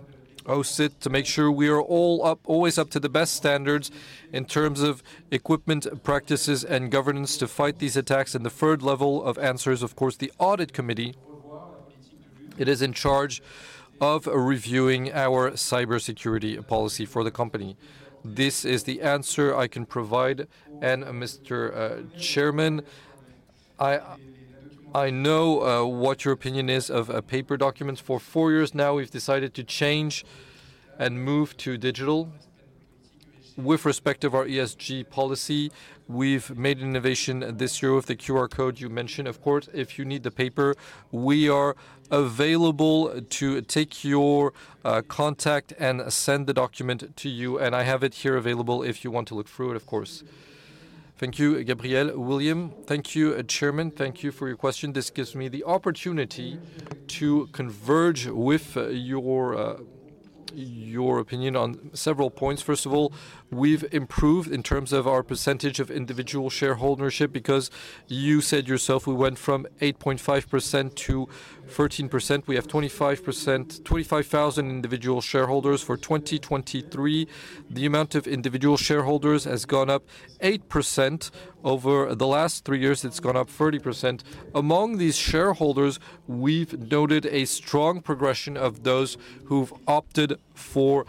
hosts it, to make sure we are all always up to the best standards in terms of equipment, practices, and governance to fight these attacks. The third level of answer is, of course, the audit committee. It is in charge of reviewing our cybersecurity policy for the company. This is the answer I can provide. Mr. Chairman, I know what your opinion is of paper documents. For four years now, we've decided to change and move to digital. With respect to our ESG policy, we've made an innovation this year with the QR code you mentioned. Of course, if you need the paper, we are available to take your contact and send the document to you, and I have it here available if you want to look through it, of course. Thank you, Gabriel. William? Thank you, Chairman. Thank you for your question. This gives me the opportunity to converge with your opinion on several points. First of all, we've improved in terms of our percentage of individual share ownership, because you said yourself, we went from 8.5% to 13%. We have 25%... 25,000 individual shareholders for 2023. The amount of individual shareholders has gone up 8%. Over the last three years, it's gone up 30%. Among these shareholders, we've noted a strong progression of those who've opted for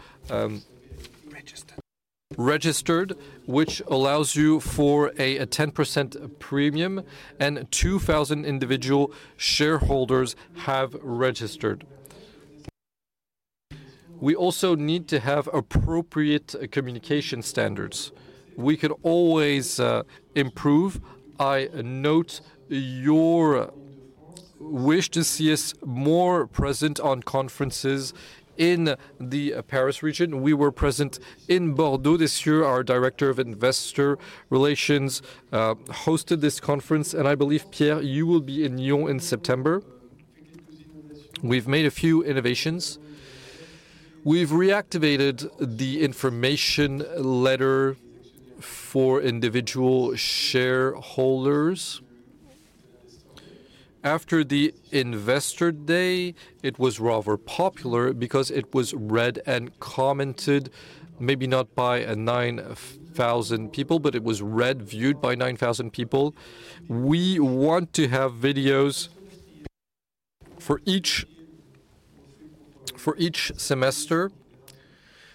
registered, which allows you for a 10% premium, and 2,000 individual shareholders have registered. We also need to have appropriate communication standards. We could always improve. I note your wish to see us more present on conferences in the Paris region. We were present in Bordeaux this year. Our director of investor relations hosted this conference, and I believe, Pierre, you will be in Lyon in September. We've made a few innovations. We've reactivated the information letter for individual shareholders. After the investor day, it was rather popular because it was read and commented, maybe not by 9,000 people, but it was read, viewed by 9,000 people. We want to have videos for each, for each semester,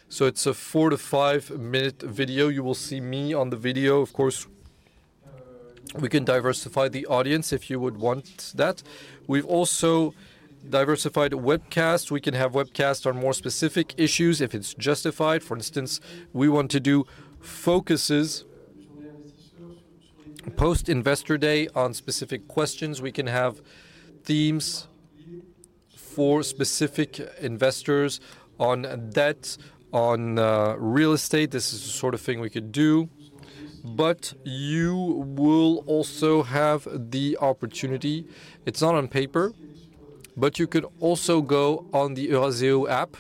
so it's a 4-5-minute video. You will see me on the video. Of course, we can diversify the audience if you would want that. We've also diversified webcasts. We can have webcasts on more specific issues if it's justified. For instance, we want to do focuses post-investor day on specific questions. We can have themes for specific investors on debt, on real estate. This is the sort of thing we could do. But you will also have the opportunity... It's not on paper, but you could also go on the Eurazeo app,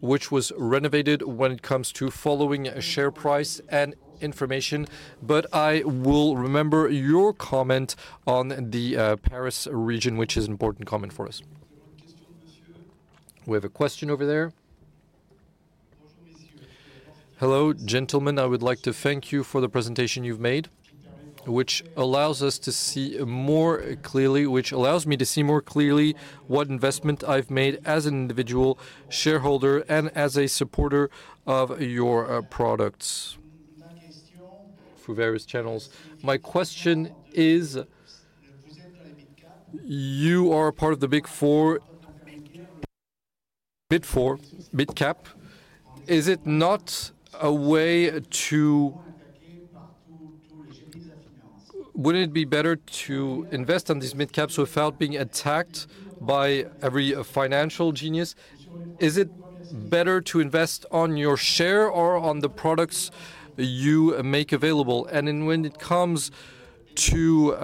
which was renovated when it comes to following a share price and information. But I will remember your comment on the Paris region, which is an important comment for us. We have a question over there. Hello, gentlemen. I would like to thank you for the presentation you've made, which allows us to see more clearly, which allows me to see more clearly what investment I've made as an individual shareholder and as a supporter of your products through various channels. My question is, you are a part of the Big Four – mid four, mid-cap. Is it not a way to... Wouldn't it be better to invest on these mid caps without being attacked by every financial genius? Is it better to invest on your share or on the products you make available? And then when it comes to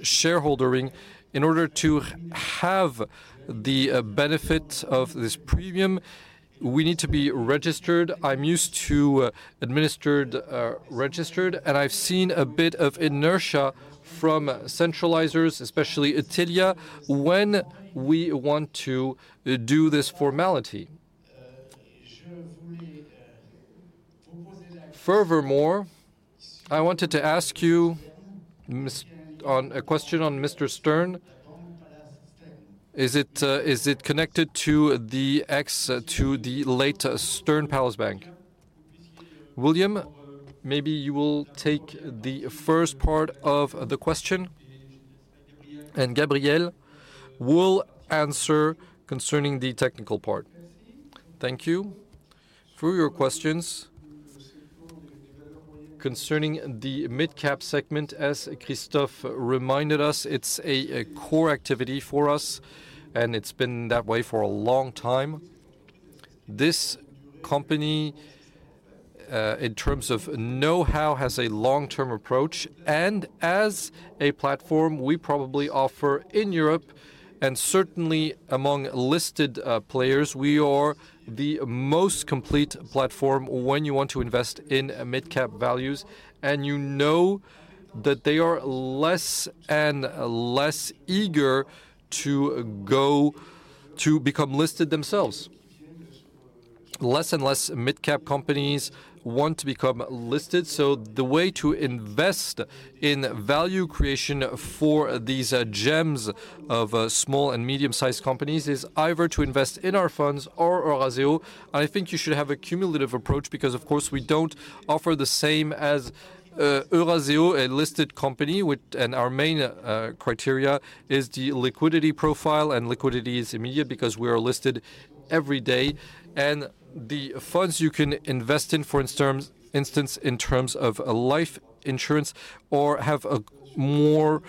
shareholdering, in order to have the benefits of this premium, we need to be registered. I'm used to administered, registered, and I've seen a bit of inertia from centralizers, especially Uptevia, when we want to do this formality. Furthermore, I wanted to ask you, Ms., on a question on Mr. Stern. Is it, is it connected to the ex- to the late Stern Palace Bank? William, maybe you will take the first part of the question, and Gabriel will answer concerning the technical part. Thank you for your questions. Concerning the mid-cap segment, as Christophe reminded us, it's a core activity for us, and it's been that way for a long time. This company, in terms of know-how, has a long-term approach, and as a platform we probably offer in Europe, and certainly among listed players, we are the most complete platform when you want to invest in mid-cap values, and you know that they are less and less eager to go to become listed themselves. Less and less mid-cap companies want to become listed, so the way to invest in value creation for these, gems of, small and medium-sized companies is either to invest in our funds or Eurazeo. I think you should have a cumulative approach because, of course, we don't offer the same as, Eurazeo, a listed company, with... Our main criteria is the liquidity profile, and liquidity is immediate because we are listed every day. The funds you can invest in, for instance, in terms of a life insurance or have a more,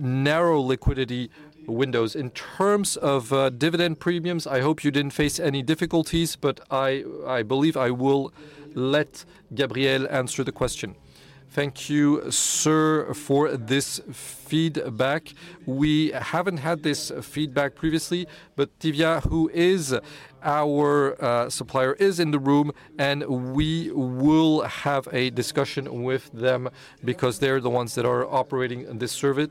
narrow liquidity windows. In terms of dividend premiums, I hope you didn't face any difficulties, but I believe I will let Gabriel answer the question. Thank you, sir, for this feedback. We haven't had this feedback previously, but Tivia, who is our supplier, is in the room, and we will have a discussion with them because they're the ones that are operating this service.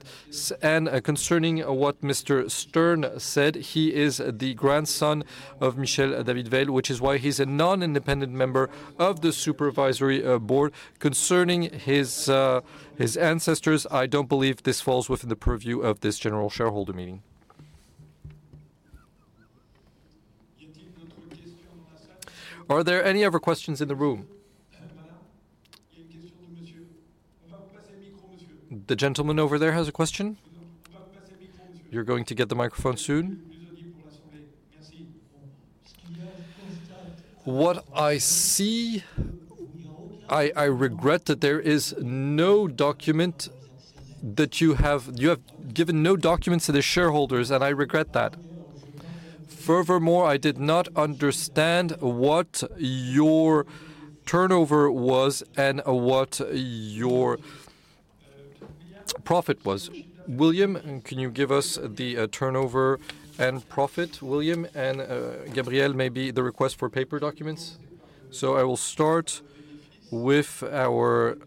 Concerning what Mr. Stern said, he is the grandson of Michel David-Weill, which is why he's a non-independent member of the supervisory board. Concerning his ancestors, I don't believe this falls within the purview of this general shareholder meeting. Are there any other questions in the room? The gentleman over there has a question. You're going to get the microphone soon. What I see, I regret that there is no document. You have given no documents to the shareholders, and I regret that. Furthermore, I did not understand what your turnover was and what your profit was. William, can you give us the turnover and profit, William, and Gabriel, maybe the request for paper documents? So I will start with our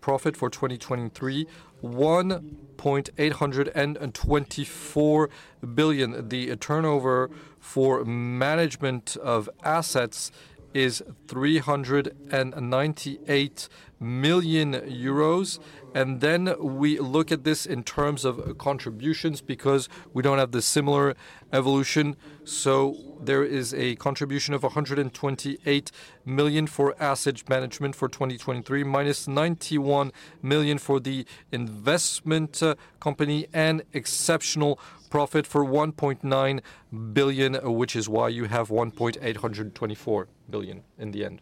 profit for 2023, 1.824 billion. The turnover for management of assets is 398 million euros. And then we look at this in terms of contributions, because we don't have the similar evolution. So there is a contribution of 128 million for assets management for 2023, minus 91 million for the investment company, and exceptional profit for 1.9 billion, which is why you have 1.824 billion in the end.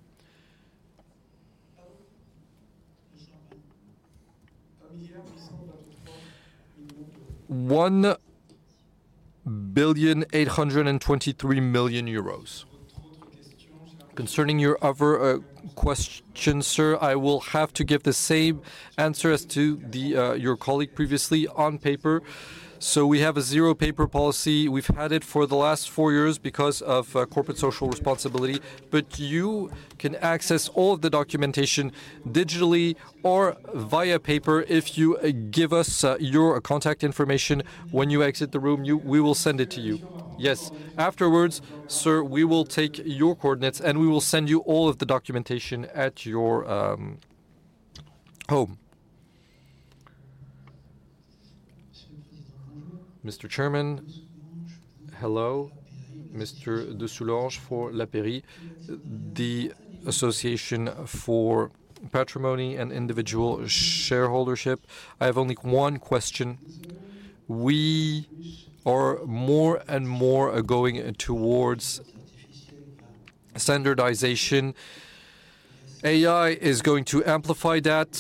1.823 billion euros. Concerning your other question, sir, I will have to give the same answer as to your colleague previously on paper. So we have a zero-paper policy. We've had it for the last four years because of corporate social responsibility. But you can access all of the documentation digitally or via paper. If you give us your contact information when you exit the room, we will send it to you. Yes. Afterwards, sir, we will take your coordinates, and we will send you all of the documentation at your home. Mr. Chairman, hello. Mr. Dessoulange for l'APERi, the Association for Patrimony and Individual Shareholdership. I have only one question. We are more and more going towards standardization. AI is going to amplify that.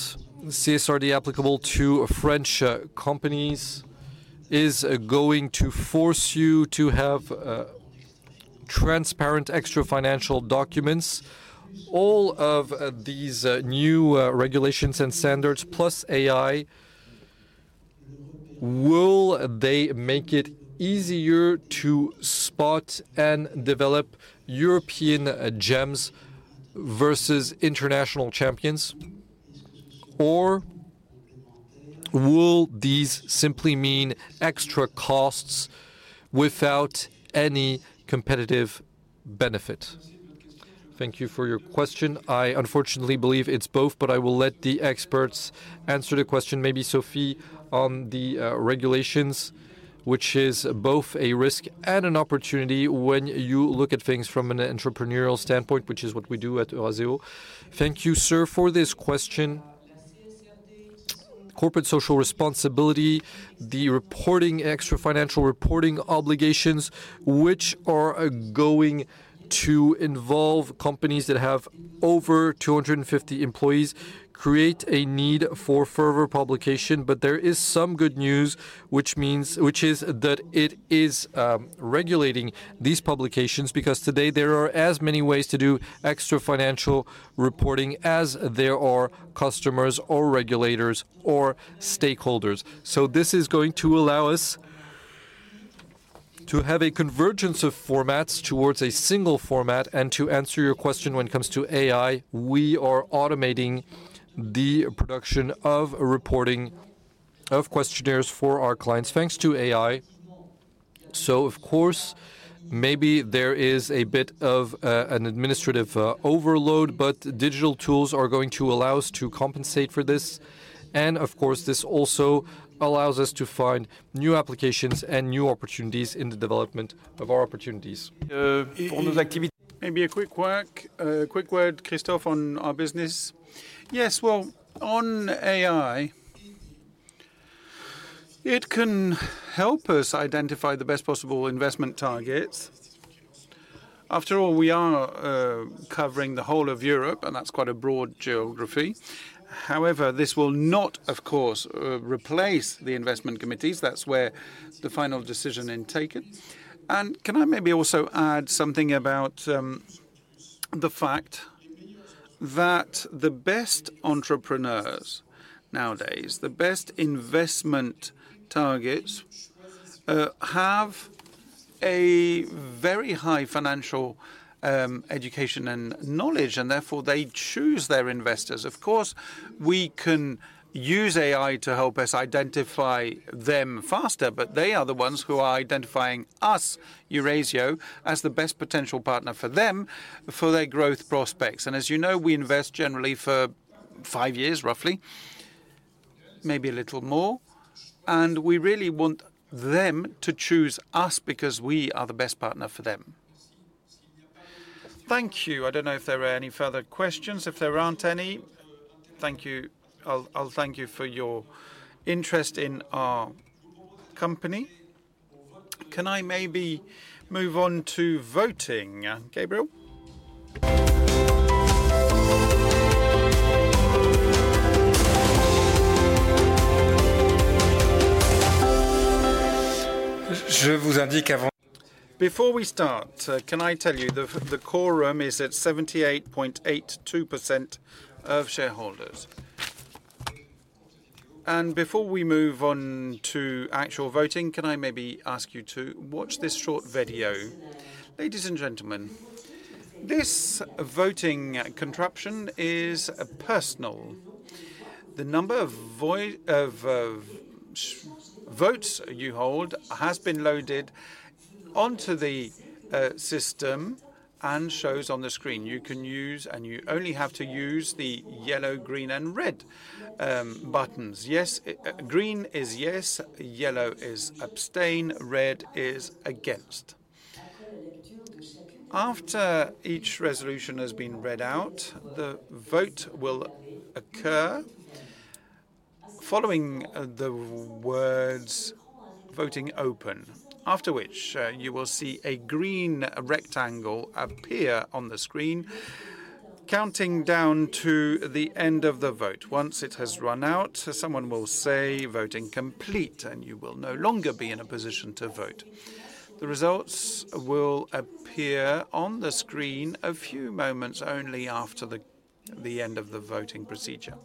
CSRD applicable to French companies is going to force you to have... transparent extra financial documents, all of these new regulations and standards plus AI, will they make it easier to spot and develop European gems versus international champions? Or will these simply mean extra costs without any competitive benefit? Thank you for your question. I unfortunately believe it's both, but I will let the experts answer the question. Maybe Sophie, on the regulations, which is both a risk and an opportunity when you look at things from an entrepreneurial standpoint, which is what we do at Eurazeo. Thank you, sir, for this question. Corporate social responsibility, the reporting, extra financial reporting obligations, which are going to involve companies that have over 250 employees, create a need for further publication. But there is some good news, which is that it is regulating these publications, because today there are as many ways to do extra financial reporting as there are customers or regulators or stakeholders. So this is going to allow us to have a convergence of formats towards a single format. And to answer your question when it comes to AI, we are automating the production of reporting of questionnaires for our clients, thanks to AI. So of course, maybe there is a bit of an administrative overload, but digital tools are going to allow us to compensate for this. Of course, this also allows us to find new applications and new opportunities in the development of our opportunities. Maybe a quick word, Christophe, on our business. Yes, well, on AI, it can help us identify the best possible investment targets. After all, we are covering the whole of Europe, and that's quite a broad geography. However, this will not, of course, replace the investment committees. That's where the final decision is taken. Can I maybe also add something about the fact that the best entrepreneurs nowadays, the best investment targets, have a very high financial education and knowledge, and therefore, they choose their investors. Of course, we can use AI to help us identify them faster, but they are the ones who are identifying us, Eurazeo, as the best potential partner for them for their growth prospects. As you know, we invest generally for 5 years, roughly, maybe a little more, and we really want them to choose us because we are the best partner for them. Thank you. I don't know if there are any further questions. If there aren't any, thank you. I'll thank you for your interest in our company. Can I maybe move on to voting, Gabriel? Before we start, can I tell you the quorum is at 78.82% of shareholders. Before we move on to actual voting, can I maybe ask you to watch this short video? Ladies and gentlemen, this voting contraption is personal. The number of votes you hold has been loaded onto the system and shows on the screen. You can use, and you only have to use, the yellow, green, and red buttons. Yes, green is yes, yellow is abstain, red is against. After each resolution has been read out, the vote will occur following the words, "Voting open," after which you will see a green rectangle appear on the screen, counting down to the end of the vote. Once it has run out, someone will say, "Voting complete," and you will no longer be in a position to vote. The results will appear on the screen a few moments only after the end of the voting procedure.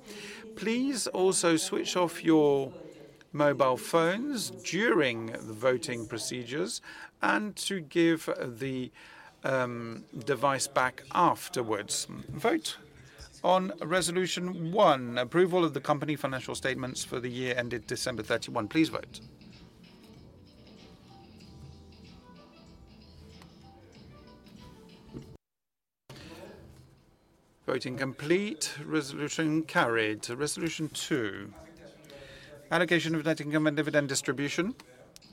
Please also switch off your mobile phones during the voting procedures, and to give the device back afterwards. Vote on resolution 1, approval of the company financial statements for the year ended December 31. Please vote. Voting complete. Resolution carried. Resolution 2, allocation of net income and dividend distribution.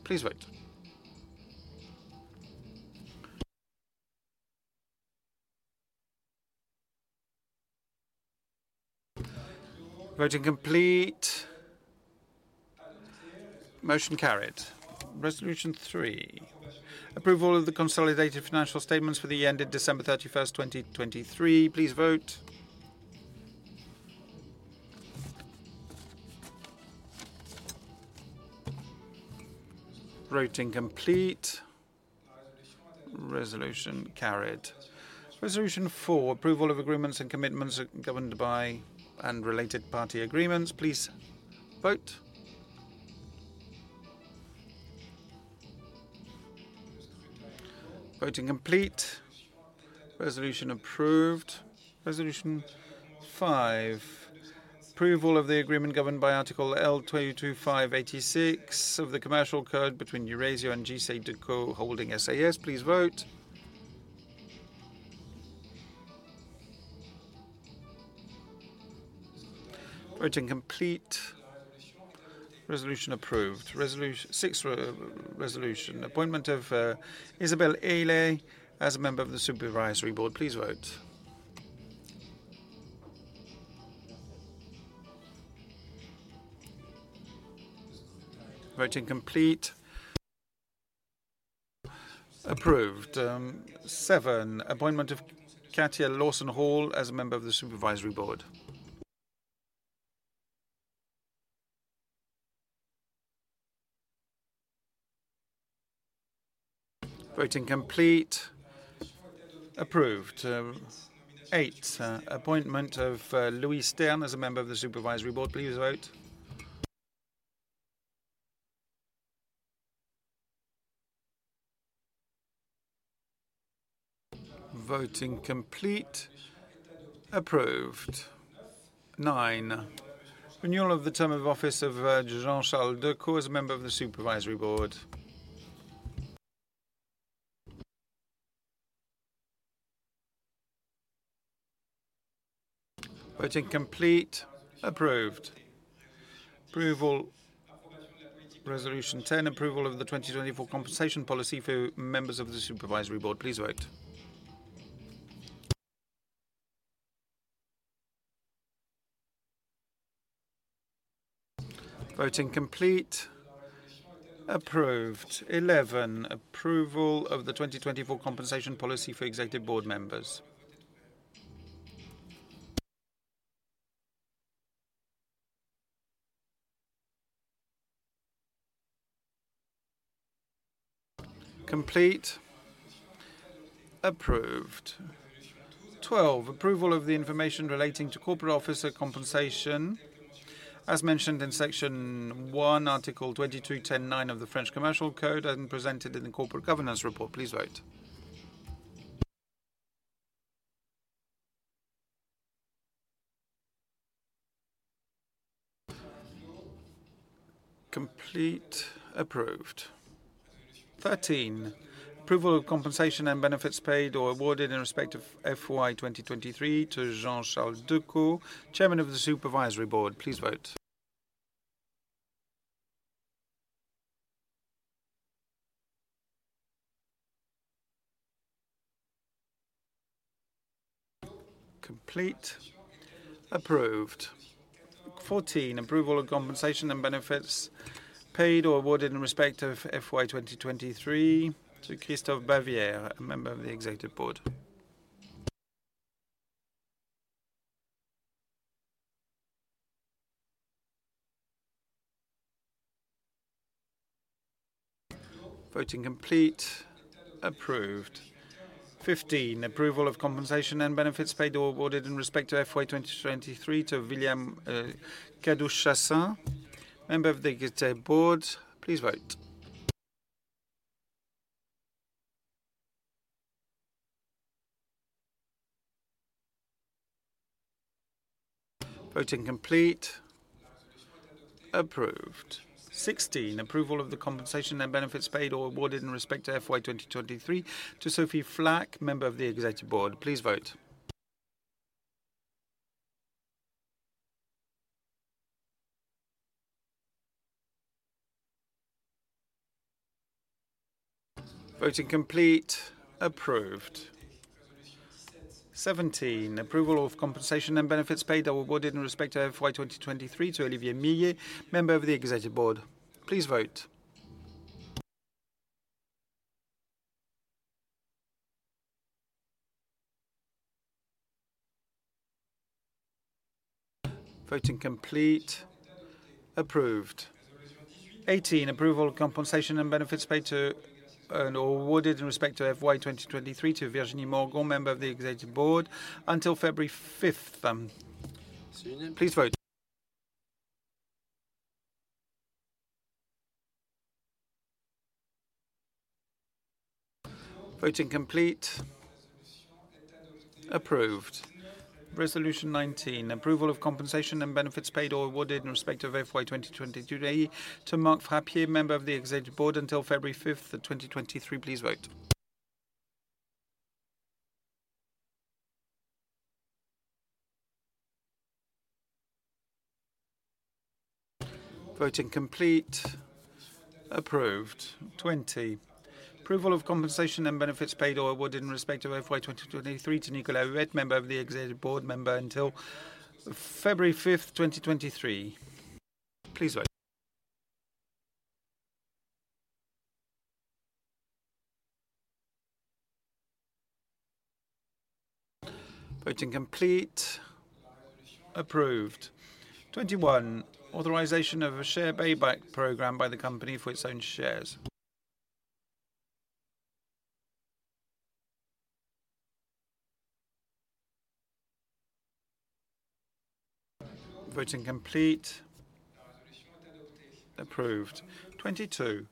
Please vote. Voting complete. Motion carried. Resolution 3, approval of the consolidated financial statements for the year ended December 31, 2023. Please vote. Voting complete. Resolution carried. Resolution 4: approval of agreements and commitments governed by and related party agreements. Please vote. Voting complete. Resolution approved. Resolution 5: approval of the agreement governed by Article L225-86 of the Commercial Code between Eurazeo and JCDecaux Holding SAS. Please vote. Voting complete. Resolution approved. Resolution 6: appointment of Isabelle Ealet as a member of the Supervisory Board. Please vote. Voting complete. Approved. Seven: appointment of Katja Hall as a member of the Supervisory Board. Voting complete. Approved. Eight: appointment of Louis Stern as a member of the Supervisory Board. Please vote. Voting complete. Approved. Nine: renewal of the term of office of Jean-Charles Decaux as a member of the Supervisory Board. Voting complete. Approved. Approval. Resolution 10: approval of the 2024 compensation policy for members of the Supervisory Board. Please vote. Voting complete. Approved. 11: approval of the 2024 compensation policy for executive board members. Complete. Approved. 12: approval of the information relating to corporate officer compensation, as mentioned in Section 1, Article 22-10-9 of the French Commercial Code and presented in the corporate governance report. Please vote. Complete. Approved. 13: approval of compensation and benefits paid or awarded in respect of FY 2023 to Jean-Charles Decaux, Chairman of the Supervisory Board. Please vote. Complete. Approved. 14: approval of compensation and benefits paid or awarded in respect of FY 2023 to Christophe Bavière, a member of the Executive Board. Voting complete. Approved. 15: approval of compensation and benefits paid or awarded in respect to FY 2023 to William Kadouch-Chassaing, member of the Executive Board. Please vote. Voting complete. Approved. Sixteen: approval of the compensation and benefits paid or awarded in respect to FY 2023 to Sophie Flak, Member of the Executive Board. Please vote. Voting complete. Approved. Seventeen: approval of compensation and benefits paid or awarded in respect to FY 2023 to Olivier Millet, Member of the Executive Board. Please vote. Voting complete. Approved. Eighteen: approval of compensation and benefits paid to, and or awarded in respect to FY 2023 to Virginie Morgon, Member of the Executive Board, until February fifth. Please vote. Voting complete. Approved. Resolution nineteen: approval of compensation and benefits paid or awarded in respect of FY 2023 to Marc Frappier, Member of the Executive Board, until February fifth of 2023. Please vote. Voting complete. Approved. 20: approval of compensation and benefits paid or awarded in respect of FY 2023 to Nicolas Huet, member of the Executive Board member until February 5, 2023. Please vote.... Voting complete, approved. 21, authorization of a share buyback program by the company for its own shares. Voting complete, approved. 22,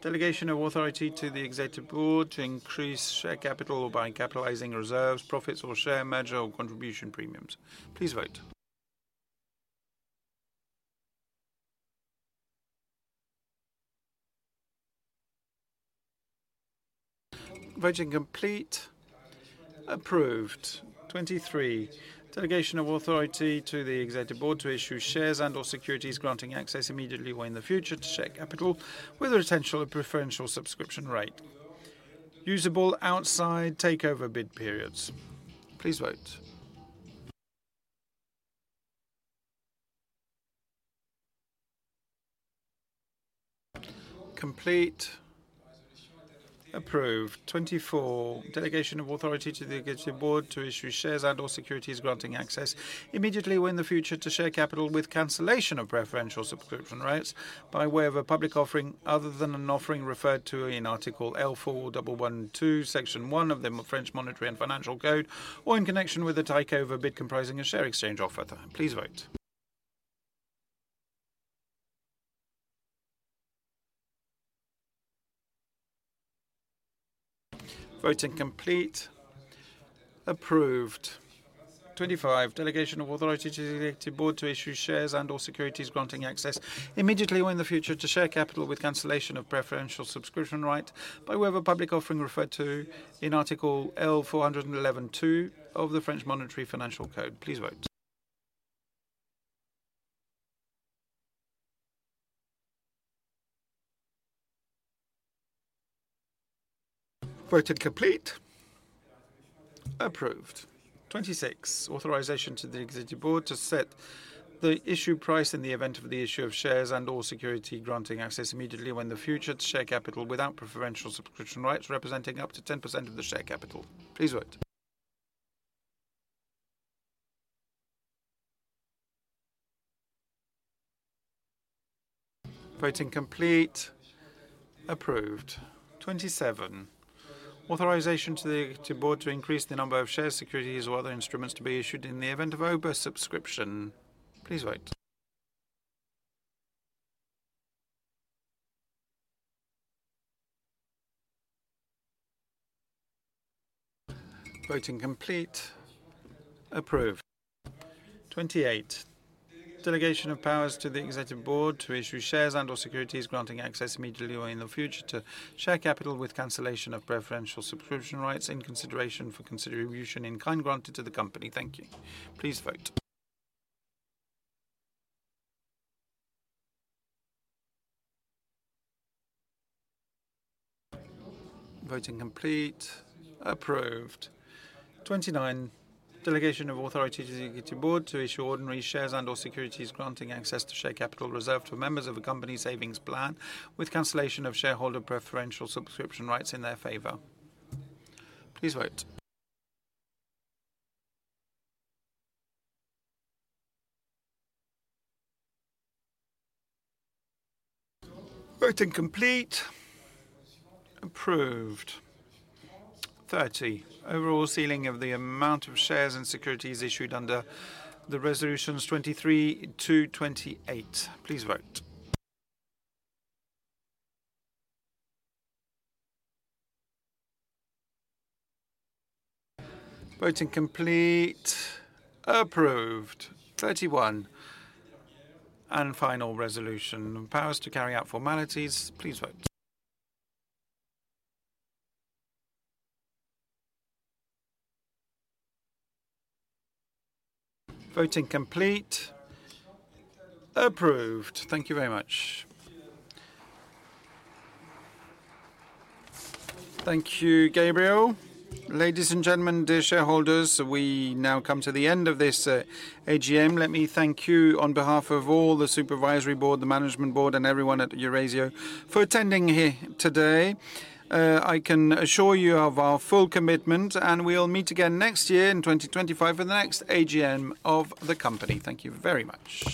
delegation of authority to the executive board to increase share capital by capitalizing reserves, profits, or share premium or contribution premiums. Please vote. Voting complete, approved. 23, delegation of authority to the executive board to issue shares and/or securities granting access immediately or in the future to share capital with a potential preferential subscription right usable outside takeover bid periods. Please vote. Complete, approved. 24, delegation of authority to the executive board to issue shares and/or Voting complete, approved. 26, authorization to the executive board to set the issue price in the event of the issue of shares and/or securities granting access immediately or in the future to share capital without preferential subscription rights, representing up to 10% of the share capital. Please vote. Voting complete, approved. 27, authorization to the executive board to increase the number of shares or securities or other instruments to be issued in the event of oversubscription. Please vote. Voting complete, approved. 28, delegation of powers to the executive board to issue shares and/or securities granting access immediately or in the future to share capital with cancellation of preferential subscription rights in consideration for contribution in kind granted to the company. Thank you. Please vote. Voting complete, approved. 29, delegation of authority to the executive board to issue ordinary shares and/or securities granting access to share capital reserved to members of a company savings plan, with cancellation of shareholder preferential subscription rights in their favor. Please vote. Voting complete, approved. 30, overall ceiling of the amount of shares and securities issued under the resolutions 23 to 28. Please vote. Voting complete, approved. 31, and final resolution, powers to carry out formalities. Please vote. Voting complete, approved. Thank you very much. Thank you, Gabriel. Ladies and gentlemen, dear shareholders, we now come to the end of this AGM. Let me thank you on behalf of all the supervisory board, the management board, and everyone at Eurazeo for attending here today. I can assure you of our full commitment, and we'll meet again next year in 2025 for the next AGM of the company. Thank you very much.